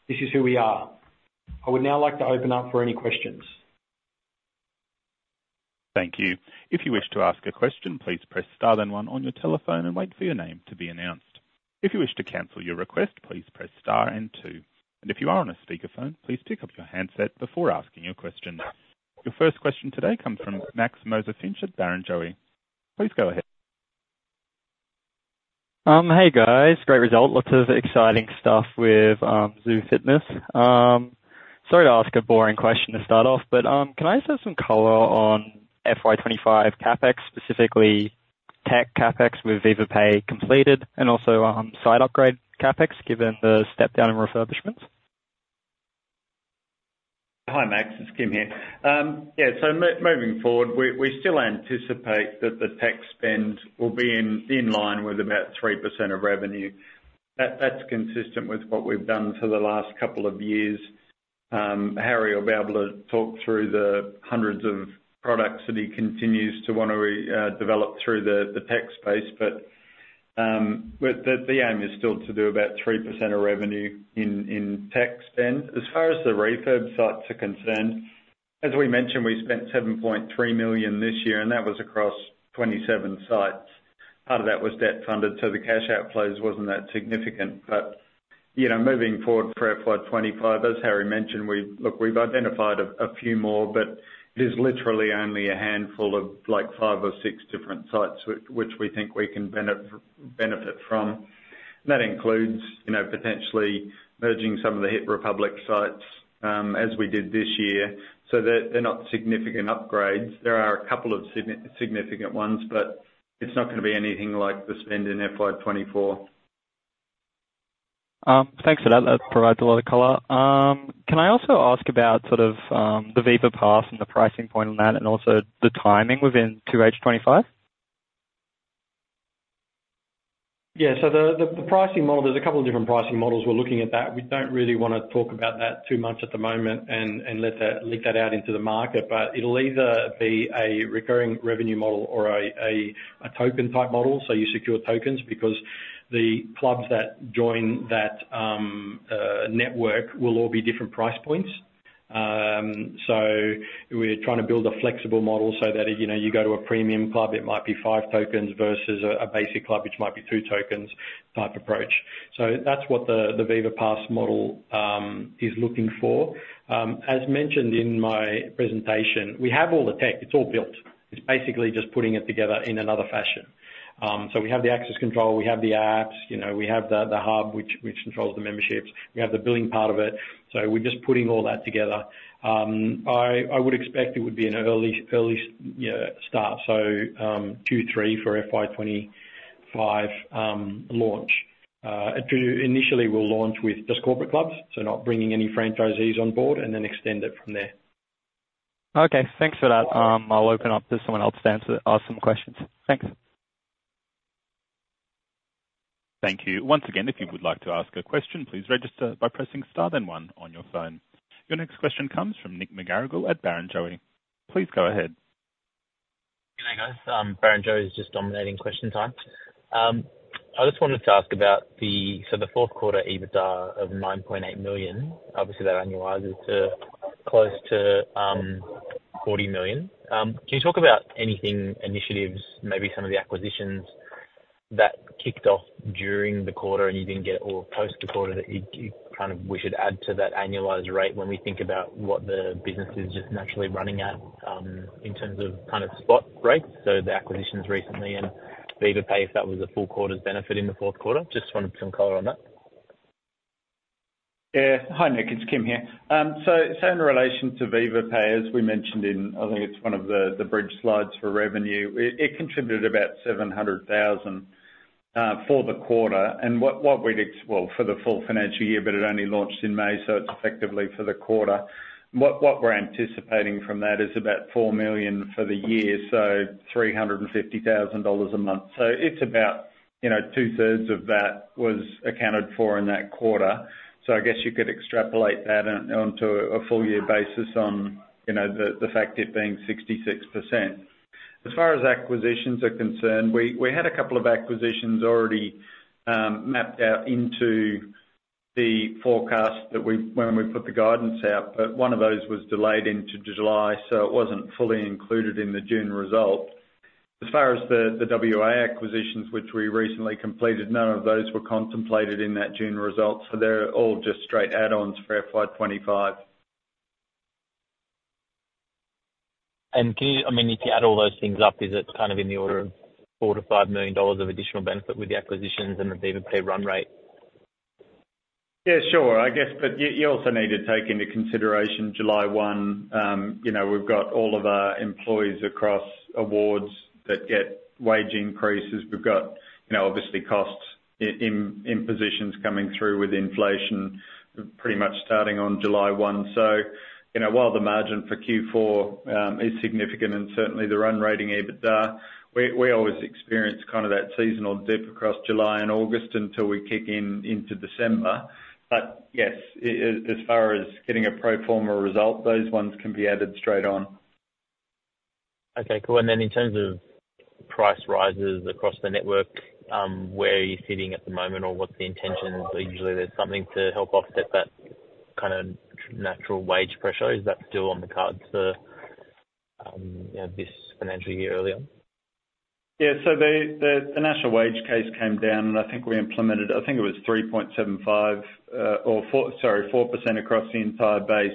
This is who we are. I would now like to open up for any questions. Thank you. If you wish to ask a question, please press star then one on your telephone and wait for your name to be announced. If you wish to cancel your request, please press star and two. If you are on a speakerphone, please pick up your handset before asking your question. Your first question today comes from Max Moser-Finch at Barrenjoey. Please go ahead. Hey, guys. Great result. Lots of exciting stuff with Zoo Fitness. Sorry to ask a boring question to start off, but can I just have some color on FY 25 CapEx, specifically tech CapEx, with Viva Pay completed, and also site upgrade CapEx, given the step down in refurbishments? Hi, Max, it's Kym here. Yeah, so moving forward, we, we still anticipate that the tech spend will be in line with about 3% of revenue. That's consistent with what we've done for the last couple of years. Harry will be able to talk through the hundreds of products that he continues to want to develop through the tech space, but the aim is still to do about 3% of revenue in tech spend. As far as the refurb sites are concerned, as we mentioned, we spent 7.3 million this year, and that was across 27 sites. Part of that was debt-funded, so the cash outflows wasn't that significant. But, you know, moving forward for FY 25, as Harry mentioned, we look, we've identified a few more, but it is literally only a handful of, like, five or six different sites which we think we can benefit from. That includes, you know, potentially merging some of the HIIT Republic sites, as we did this year, so they're, they're not significant upgrades. There are a couple of significant ones, but it's not gonna be anything like the spend in FY 24.... Thanks for that. That provides a lot of color. Can I also ask about sort of the Viva Pass and the pricing point on that, and also the timing within 2H 2025? Yeah, so the pricing model, there's a couple of different pricing models. We're looking at that. We don't really want to talk about that too much at the moment and let that leak out into the market, but it'll either be a recurring revenue model or a token-type model. So you secure tokens because the clubs that join that network will all be different price points. So we're trying to build a flexible model so that, you know, you go to a premium club, it might be five tokens versus a basic club, which might be two tokens type approach. So that's what the Viva Pass model is looking for. As mentioned in my presentation, we have all the tech, it's all built. It's basically just putting it together in another fashion. So we have the access control, we have the apps, you know, we have the Hub, which controls the memberships. We have the billing part of it, so we're just putting all that together. I would expect it would be an early start, so 2-3 for FY 2025 launch. Initially, we'll launch with just corporate clubs, so not bringing any franchisees on board and then extend it from there. Okay, thanks for that. I'll open up to someone else to answer, ask some questions. Thanks. Thank you. Once again, if you would like to ask a question, please register by pressing star, then one on your phone. Your next question comes from Nick McGarrigle at Barrenjoey. Please go ahead. Good day, guys. Barrenjoey is just dominating question time. I just wanted to ask about the... So the fourth quarter EBITDA of 9.8 million, obviously that annualizes to close to 40 million. Can you talk about anything, initiatives, maybe some of the acquisitions that kicked off during the quarter and you didn't get it all post the quarter, that you, you kind of- we should add to that annualized rate when we think about what the business is just naturally running at, in terms of kind of spot rates? So the acquisitions recently and Viva Pay, if that was a full quarter's benefit in the fourth quarter. Just wanted some color on that. Yeah. Hi, Nick, it's Kym here. So, so in relation to Viva Pay, as we mentioned in, I think it's one of the bridge slides for revenue, it contributed about 700,000 for the quarter, and well, for the full financial year, but it only launched in May, so it's effectively for the quarter. What we're anticipating from that is about 4 million for the year, so 350,000 dollars a month. So it's about, you know, two-thirds of that was accounted for in that quarter. So I guess you could extrapolate that onto a full year basis on, you know, the fact it being 66%. As far as acquisitions are concerned, we had a couple of acquisitions already mapped out into the forecast that when we put the guidance out, but one of those was delayed into July, so it wasn't fully included in the June result. As far as the WA acquisitions, which we recently completed, none of those were contemplated in that June result, so they're all just straight add-ons for FY 25. Can you... I mean, if you add all those things up, is it kind of in the order of 4 million-5 million dollars of additional benefit with the acquisitions and the Viva Pay run rate? Yeah, sure. I guess, but you, you also need to take into consideration July 1. You know, we've got all of our employees across awards that get wage increases. We've got, you know, obviously costs in positions coming through with inflation pretty much starting on July 1. So, you know, while the margin for Q4 is significant and certainly the run rating EBITDA, we always experience kind of that seasonal dip across July and August until we kick in into December. But yes, as far as getting a pro forma result, those ones can be added straight on. Okay, cool. In terms of price rises across the network, where are you sitting at the moment or what's the intention? Usually, there's something to help offset that kind of natural wage pressure. Is that still on the cards for, you know, this financial year earlier? Yeah, so the national wage case came down, and I think we implemented, I think it was 3.75, or four, sorry, 4% across the entire base,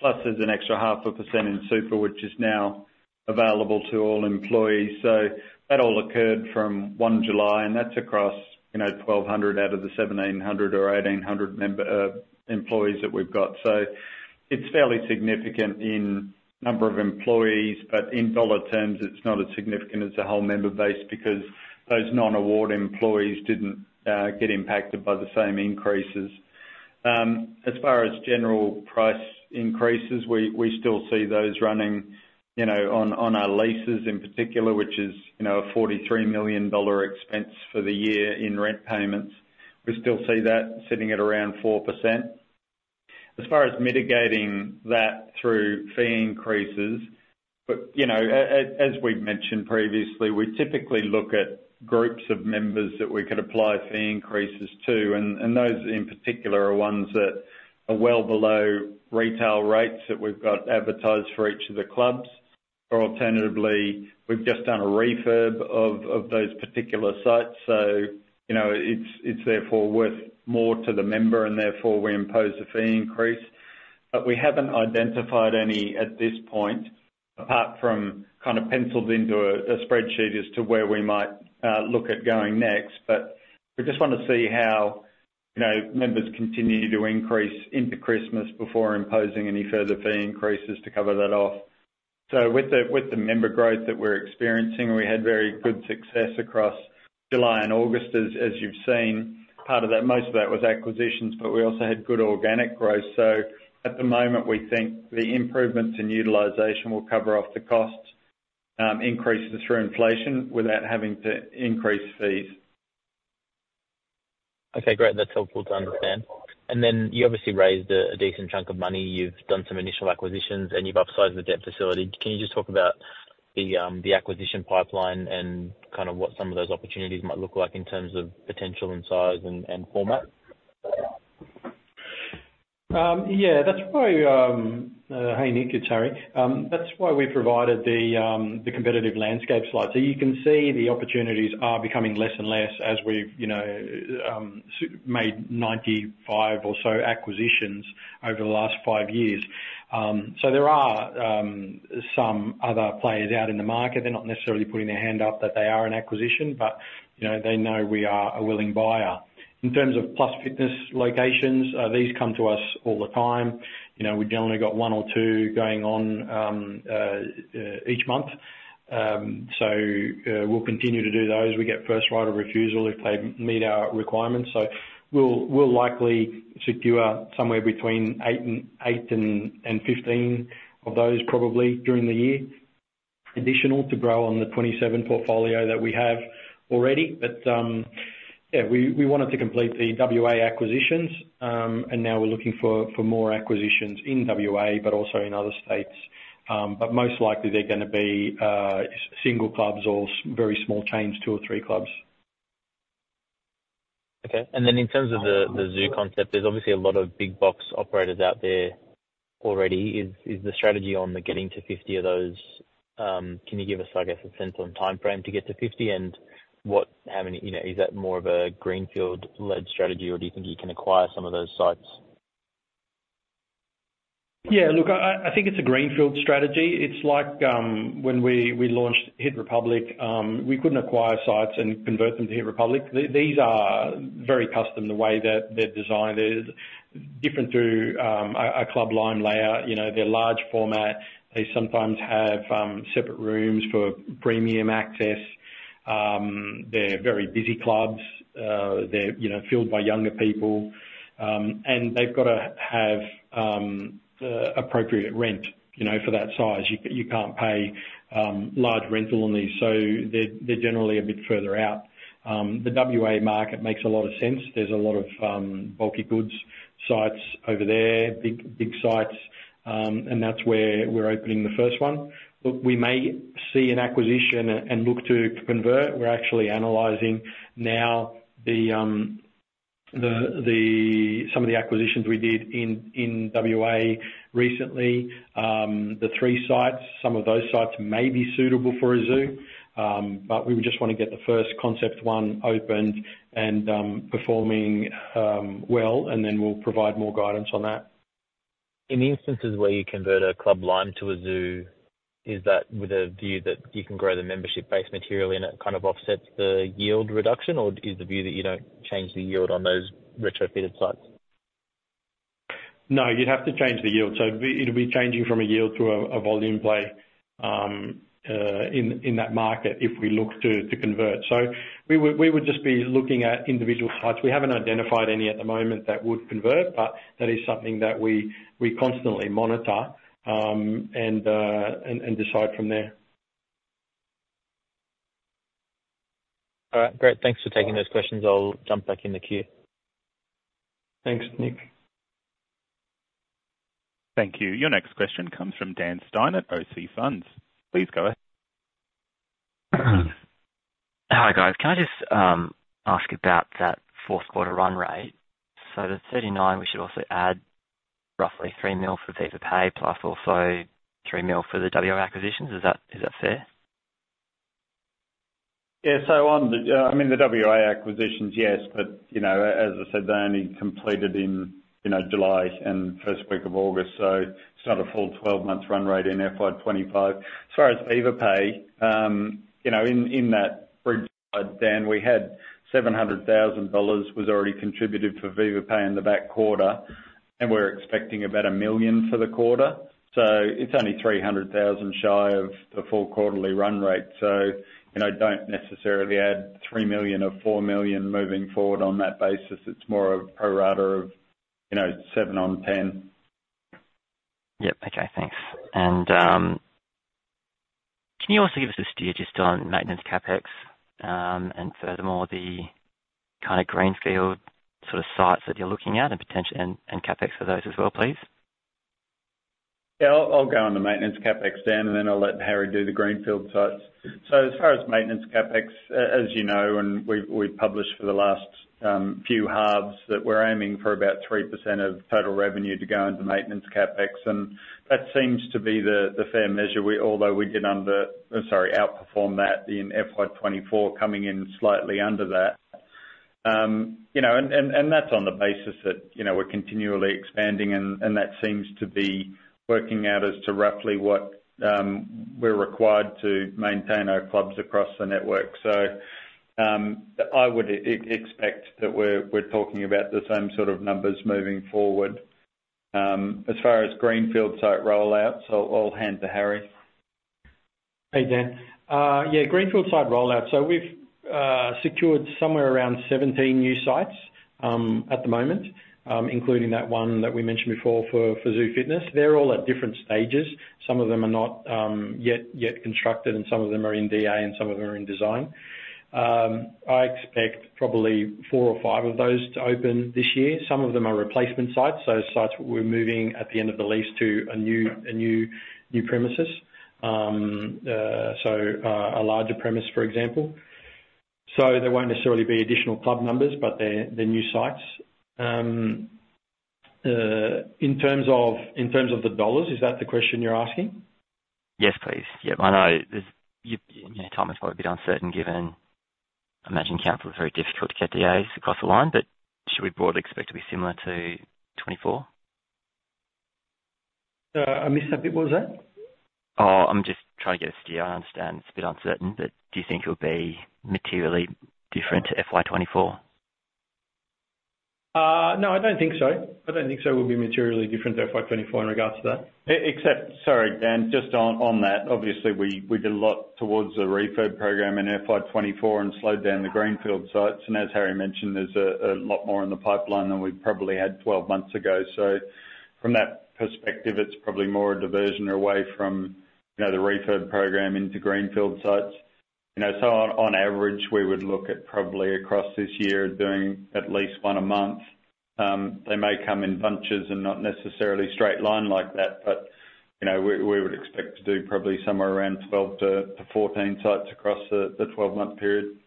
plus there's an extra 0.5% in super, which is now available to all employees. So that all occurred from 1 July, and that's across, you know, 1,200 out of the 1,700 or 1,800 member employees that we've got. So it's fairly significant in number of employees, but in dollar terms, it's not as significant as the whole member base because those non-award employees didn't get impacted by the same increases. As far as general price increases, we still see those running, you know, on our leases in particular, which is, you know, a 43 million dollar expense for the year in rent payments. We still see that sitting at around 4%. As far as mitigating that through fee increases, but, you know, as we've mentioned previously, we typically look at groups of members that we could apply fee increases to, and those in particular are ones that are well below retail rates that we've got advertised for each of the clubs, or alternatively, we've just done a refurb of those particular sites. So, you know, it's therefore worth more to the member, and therefore we impose a fee increase. But we haven't identified any at this point, apart from kind of penciled into a spreadsheet as to where we might look at going next. But we just want to see how, you know, members continue to increase into Christmas before imposing any further fee increases to cover that off.... So with the member growth that we're experiencing, we had very good success across July and August, as you've seen. Part of that, most of that was acquisitions, but we also had good organic growth. So at the moment, we think the improvements in utilization will cover off the costs, increases through inflation without having to increase fees. Okay, great. That's helpful to understand. Then you obviously raised a, a decent chunk of money. You've done some initial acquisitions, and you've upsized the debt facility. Can you just talk about the, the acquisition pipeline and kind of what some of those opportunities might look like in terms of potential, and size, and, and format? Yeah, that's why, hey, Nick, it's Harry. That's why we provided the competitive landscape slide. So you can see the opportunities are becoming less and less as we've, you know, made 95 or so acquisitions over the last 5 years. So there are some other players out in the market. They're not necessarily putting their hand up that they are an acquisition, but, you know, they know we are a willing buyer. In terms of Plus Fitness locations, these come to us all the time. You know, we've generally got one or two going on each month. So we'll continue to do those. We get first right of refusal if they meet our requirements. So we'll likely secure somewhere between 8 and 15 of those probably during the year, additional to grow on the 27 portfolio that we have already. But yeah, we wanted to complete the WA acquisitions, and now we're looking for more acquisitions in WA, but also in other states. But most likely they're gonna be single clubs or very small chains, two or three clubs. Okay. And then in terms of the Zoo concept, there's obviously a lot of big box operators out there already. Is the strategy on the getting to 50 of those? Can you give us, I guess, a sense on timeframe to get to 50, and what, how many... You know, is that more of a greenfield-led strategy, or do you think you can acquire some of those sites? Yeah, look, I think it's a greenfield strategy. It's like, when we launched HIIT Republic, we couldn't acquire sites and convert them to HIIT Republic. These are very custom, the way that they're designed is different to a Club Lime layout. You know, they're large format. They sometimes have separate rooms for premium access. They're very busy clubs. They're, you know, filled by younger people, and they've got to have appropriate rent, you know, for that size. You can't pay large rental on these, so they're generally a bit further out. The WA market makes a lot of sense. There's a lot of bulky goods sites over there, big sites, and that's where we're opening the first one. But we may see an acquisition and look to convert. We're actually analyzing now some of the acquisitions we did in WA recently. The three sites, some of those sites may be suitable for a Zoo, but we would just want to get the first concept one opened and performing well, and then we'll provide more guidance on that. In instances where you convert a Club Lime to a Zoo, is that with a view that you can grow the membership base materially, and it kind of offsets the yield reduction? Or is the view that you don't change the yield on those retrofitted sites? No, you'd have to change the yield. So it'll be changing from a yield to a volume play in that market, if we look to convert. So we would just be looking at individual sites. We haven't identified any at the moment that would convert, but that is something that we constantly monitor and decide from there. All right, great. Thanks for taking those questions. I'll jump back in the queue. Thanks, Nick. Thank you. Your next question comes from Dan Stein at OC Funds. Please go ahead. Hi, guys. Can I just ask about that fourth quarter run rate? So the 39, we should also add roughly 3 million for Viva Pay, plus also 3 million for the WA acquisitions. Is that fair? Yeah. So on the, I mean, the WA acquisitions, yes, but, you know, as I said, they only completed in, you know, July and first week of August, so it's not a full 12-month run rate in FY 2025. As far as Viva Pay, you know, in that bridge slide, Dan, we had 700 thousand dollars was already contributed for Viva Pay in the back quarter, and we're expecting about 1 million for the quarter. So it's only 300 thousand shy of the full quarterly run rate. So, you know, don't necessarily add 3 million or 4 million moving forward on that basis. It's more a pro rata of, you know, seven on 10. Yep. Okay, thanks. And, can you also give us a steer just on maintenance CapEx, and furthermore, the kind of greenfield sort of sites that you're looking at and potential... And, and CapEx for those as well, please? Yeah, I'll go on the maintenance CapEx, Dan, and then I'll let Harry do the greenfield sites. So as far as maintenance CapEx, as you know, and we've published for the last few halves, that we're aiming for about 3% of total revenue to go into maintenance CapEx, and that seems to be the fair measure. Although we did under, sorry, outperform that in FY 2024, coming in slightly under that. You know, and that's on the basis that, you know, we're continually expanding, and that seems to be working out as to roughly what we're required to maintain our clubs across the network. So, I would expect that we're talking about the same sort of numbers moving forward. As far as greenfield site rollouts, I'll hand to Harry. Hey, Dan. Yeah, greenfield site rollout. So we've secured somewhere around 17 new sites at the moment, including that one that we mentioned before for Zoo Fitness. They're all at different stages. Some of them are not yet constructed, and some of them are in DA, and some of them are in design. I expect probably four or five of those to open this year. Some of them are replacement sites, so sites we're moving at the end of the lease to a new premises. So a larger premise, for example. So there won't necessarily be additional club numbers, but they're new sites. In terms of the dollars, is that the question you're asking? Yes, please. Yep, I know there's... you know, timing's probably a bit uncertain given I imagine council is very difficult to get the DA's across the line, but should we broadly expect to be similar to 24? I missed that bit. What was that? Oh, I'm just trying to get a sense. I understand it's a bit uncertain, but do you think it'll be materially different to FY 2024? No, I don't think so. I don't think so. We'll be materially different to FY 2024 in regards to that. Except, sorry, Dan, just on, on that, obviously, we, we did a lot towards the refurb program in FY 2024 and slowed down the greenfield sites, and as Harry mentioned, there's a, a lot more in the pipeline than we probably had 12 months ago. So from that perspective, it's probably more a diversion away from, you know, the refurb program into greenfield sites. You know, so on, on average, we would look at probably across this year doing at least one a month. They may come in bunches and not necessarily straight line like that, but, you know, we, we would expect to do probably somewhere around 12-14 sites across the, the 12-month period.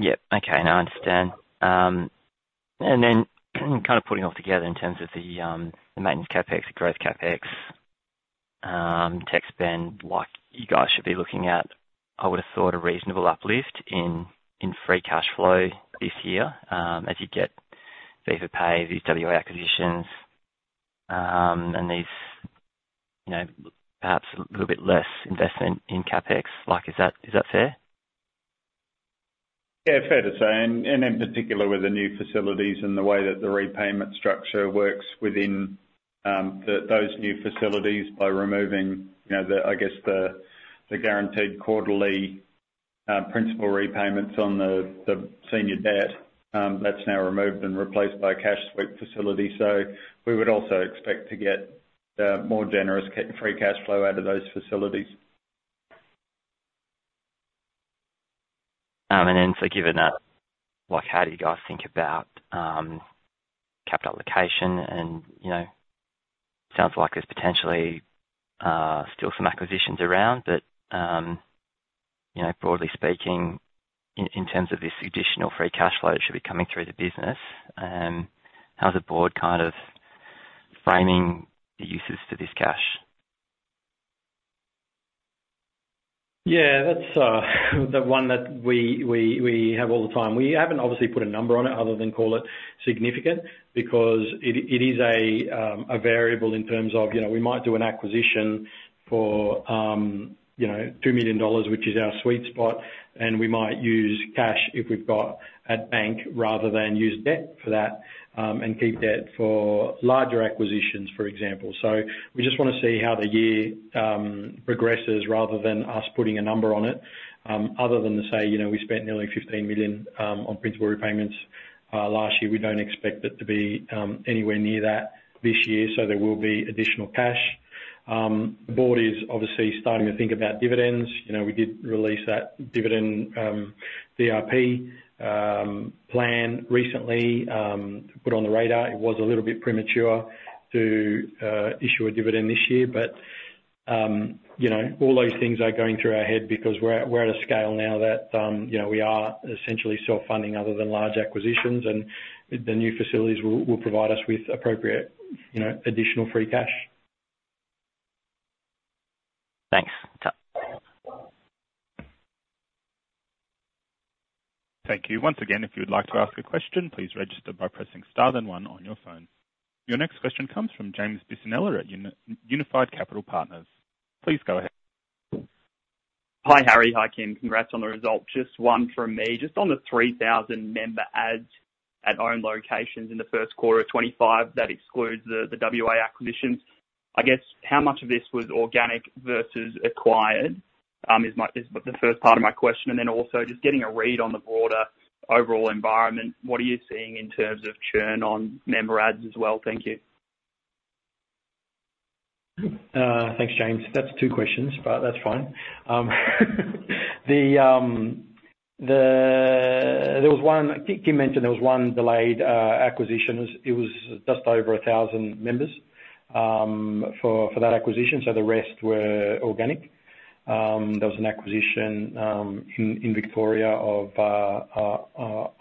Yep. Okay, no, I understand. And then kind of putting it all together in terms of the maintenance CapEx, the growth CapEx, tech spend, like you guys should be looking at, I would have thought, a reasonable uplift in free cash flow this year, as you get payoff from these WA acquisitions, and these, you know, perhaps a little bit less investment in CapEx. Like, is that fair? Yeah, fair to say, and in particular, with the new facilities and the way that the repayment structure works within those new facilities by removing, you know, the, I guess, the guaranteed quarterly principal repayments on the senior debt, that's now removed and replaced by a cash sweep facility. So we would also expect to get more generous free cash flow out of those facilities. And then so given that, like, how do you guys think about capital allocation? And, you know, sounds like there's potentially still some acquisitions around, but, you know, broadly speaking, in terms of this additional free cash flow that should be coming through the business, how's the board kind of framing the uses for this cash? Yeah, that's the one that we have all the time. We haven't obviously put a number on it other than call it significant because it is a variable in terms of, you know, we might do an acquisition for, you know, 2 million dollars, which is our sweet spot, and we might use cash if we've got at bank rather than use debt for that, and keep debt for larger acquisitions, for example. So we just want to see how the year progresses rather than us putting a number on it. Other than to say, you know, we spent nearly 15 million on principal repayments last year, we don't expect it to be anywhere near that this year, so there will be additional cash. The board is obviously starting to think about dividends. You know, we did release that dividend, DRP plan recently, to put on the radar. It was a little bit premature to issue a dividend this year, but, you know, all those things are going through our head because we're at a scale now that, you know, we are essentially self-funding, other than large acquisitions, and the new facilities will provide us with appropriate, you know, additional free cash. Thanks. Ta. Thank you. Once again, if you would like to ask a question, please register by pressing star then one on your phone. Your next question comes from James Bissonnette at Unified Capital Partners. Please go ahead. Hi, Harry. Hi, Kym. Congrats on the results. Just one from me. Just on the 3,000 member adds at own locations in the first quarter of 2025, that excludes the WA acquisitions. I guess, how much of this was organic versus acquired is the first part of my question, and then also just getting a read on the broader overall environment, what are you seeing in terms of churn on member adds as well? Thank you. Thanks, James. That's two questions, but that's fine. Kym mentioned there was one delayed acquisition. It was just over 1,000 members for that acquisition, so the rest were organic. There was an acquisition in Victoria of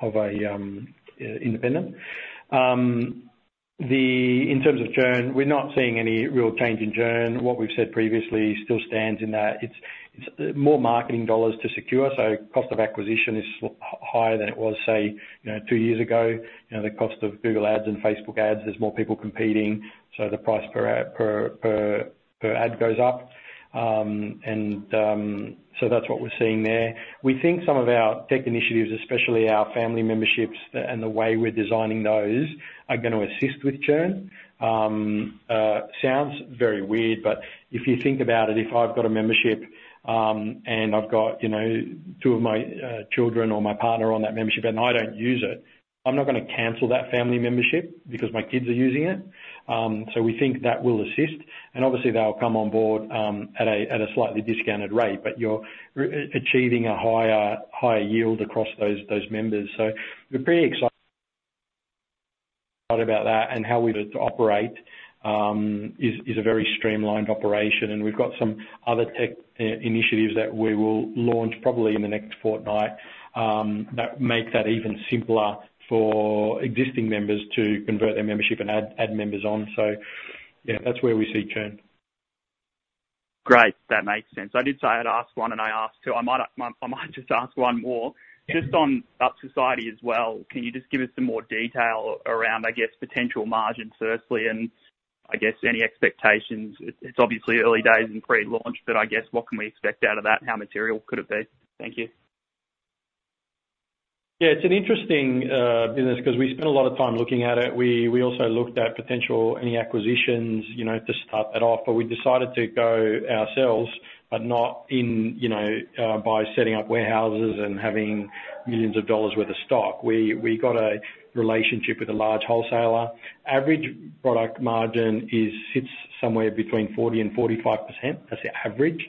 an independent. In terms of churn, we're not seeing any real change in churn. What we've said previously still stands in that it's more marketing dollars to secure, so cost of acquisition is higher than it was, say, you know, two years ago. You know, the cost of Google Ads and Facebook ads, there's more people competing, so the price per ad goes up. So that's what we're seeing there. We think some of our tech initiatives, especially our family memberships, and the way we're designing those, are gonna assist with churn. Sounds very weird, but if you think about it, if I've got a membership, and I've got, you know, two of my children or my partner on that membership, and I don't use it, I'm not gonna cancel that family membership because my kids are using it. So we think that will assist. And obviously, they'll come on board at a slightly discounted rate, but you're re-achieving a higher, higher yield across those, those members. So we're pretty excited about that, and how we operate is a very streamlined operation, and we've got some other tech initiatives that we will launch probably in the next fortnight that make that even simpler for existing members to convert their membership and add members on. So yeah, that's where we see churn. Great, that makes sense. I did say I'd ask one, and I asked two. I might, I might just ask one more. Just on Supps Society as well, can you just give us some more detail around, I guess, potential margin, firstly, and I guess any expectations? It's obviously early days in pre-launch, but I guess what can we expect out of that? How material could it be? Thank you. Yeah, it's an interesting business 'cause we spent a lot of time looking at it. We also looked at potential any acquisitions, you know, to start that off, but we decided to go ourselves, but not in, you know, by setting up warehouses and having millions dollars worth of stock. We got a relationship with a large wholesaler. Average product margin is, sits somewhere between 40%-45%. That's the average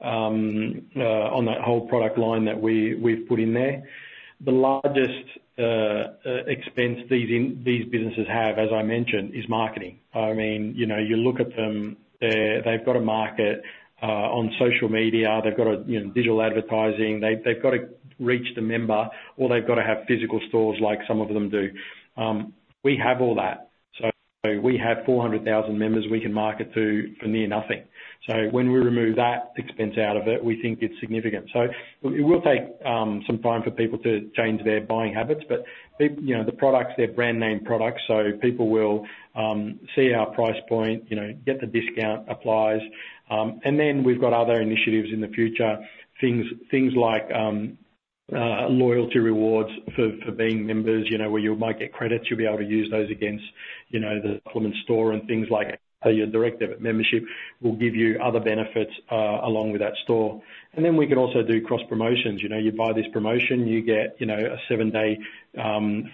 on that whole product line that we've put in there. The largest expense these businesses have, as I mentioned, is marketing. I mean, you know, you look at them, they're, they've got to market on social media. They've got to, you know, digital advertising. They've got to reach the member, or they've got to have physical stores like some of them do. We have all that, so we have 400,000 members we can market to for near nothing. So when we remove that expense out of it, we think it's significant. So it will take some time for people to change their buying habits, but you know, the products, they're brand name products, so people will see our price point, you know, get the discount applies. And then we've got other initiatives in the future, things like loyalty rewards for being members, you know, where you might get credits. You'll be able to use those against, you know, the supplement store and things like your direct debit membership will give you other benefits along with that store. And then we can also do cross promotions. You know, you buy this promotion, you get, you know, a seven day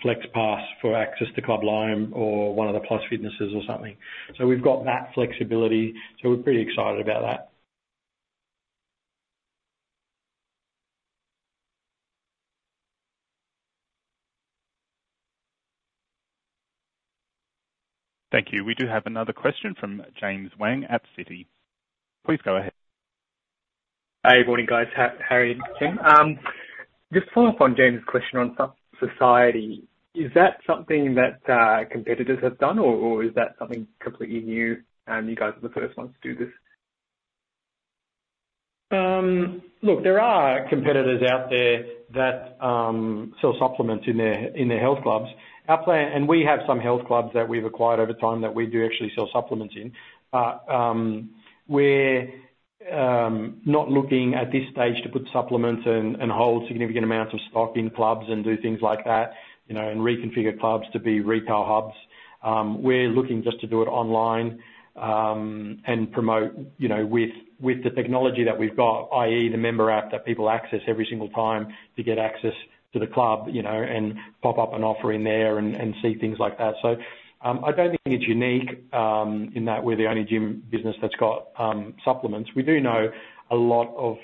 flex pass for access to Club Lime or one of the Plus Fitnesses or something. So we've got that flexibility, so we're pretty excited about that. Thank you. We do have another question from James Wang at Citi. Please go ahead. Hey, morning, guys. Harry, Tim. Just to follow up on James' question on Supps Society, is that something that competitors have done, or is that something completely new, and you guys are the first ones to do this? Look, there are competitors out there that sell supplements in their health clubs. Our plan—We have some health clubs that we've acquired over time that we do actually sell supplements in. We're not looking at this stage to put supplements and hold significant amounts of stock in clubs and do things like that, you know, and reconfigure clubs to be retail Hubs. We're looking just to do it online and promote, you know, with the technology that we've got, i.e., the member app that people access every single time to get access to the club, you know, and pop up an offer in there and see things like that. So, I don't think it's unique in that we're the only gym business that's got supplements. We do know a lot of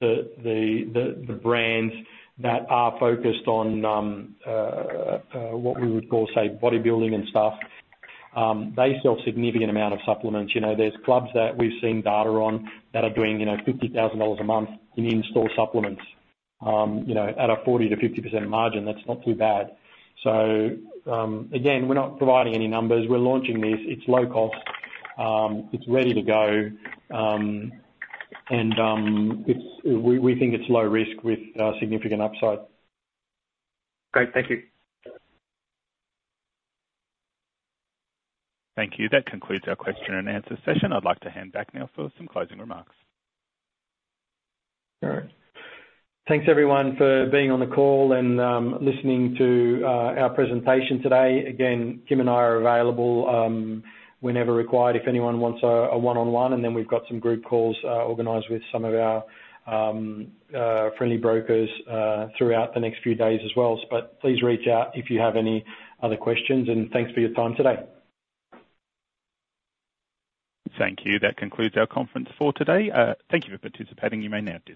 the brands that are focused on what we would call, say, bodybuilding and stuff, they sell significant amount of supplements. You know, there's clubs that we've seen data on that are doing, you know, 50,000 dollars a month in in-store supplements. You know, at a 40%-50% margin, that's not too bad. So, again, we're not providing any numbers. We're launching this. It's low cost. It's ready to go. And it's... We think it's low risk with significant upside. Great, thank you. Thank you. That concludes our question and answer session. I'd like to hand back now for some closing remarks. All right. Thanks, everyone, for being on the call and listening to our presentation today. Again, Tim and I are available whenever required, if anyone wants a one-on-one, and then we've got some group calls organized with some of our friendly brokers throughout the next few days as well. But please reach out if you have any other questions, and thanks for your time today. Thank you. That concludes our conference for today. Thank you for participating. You may now disconnect.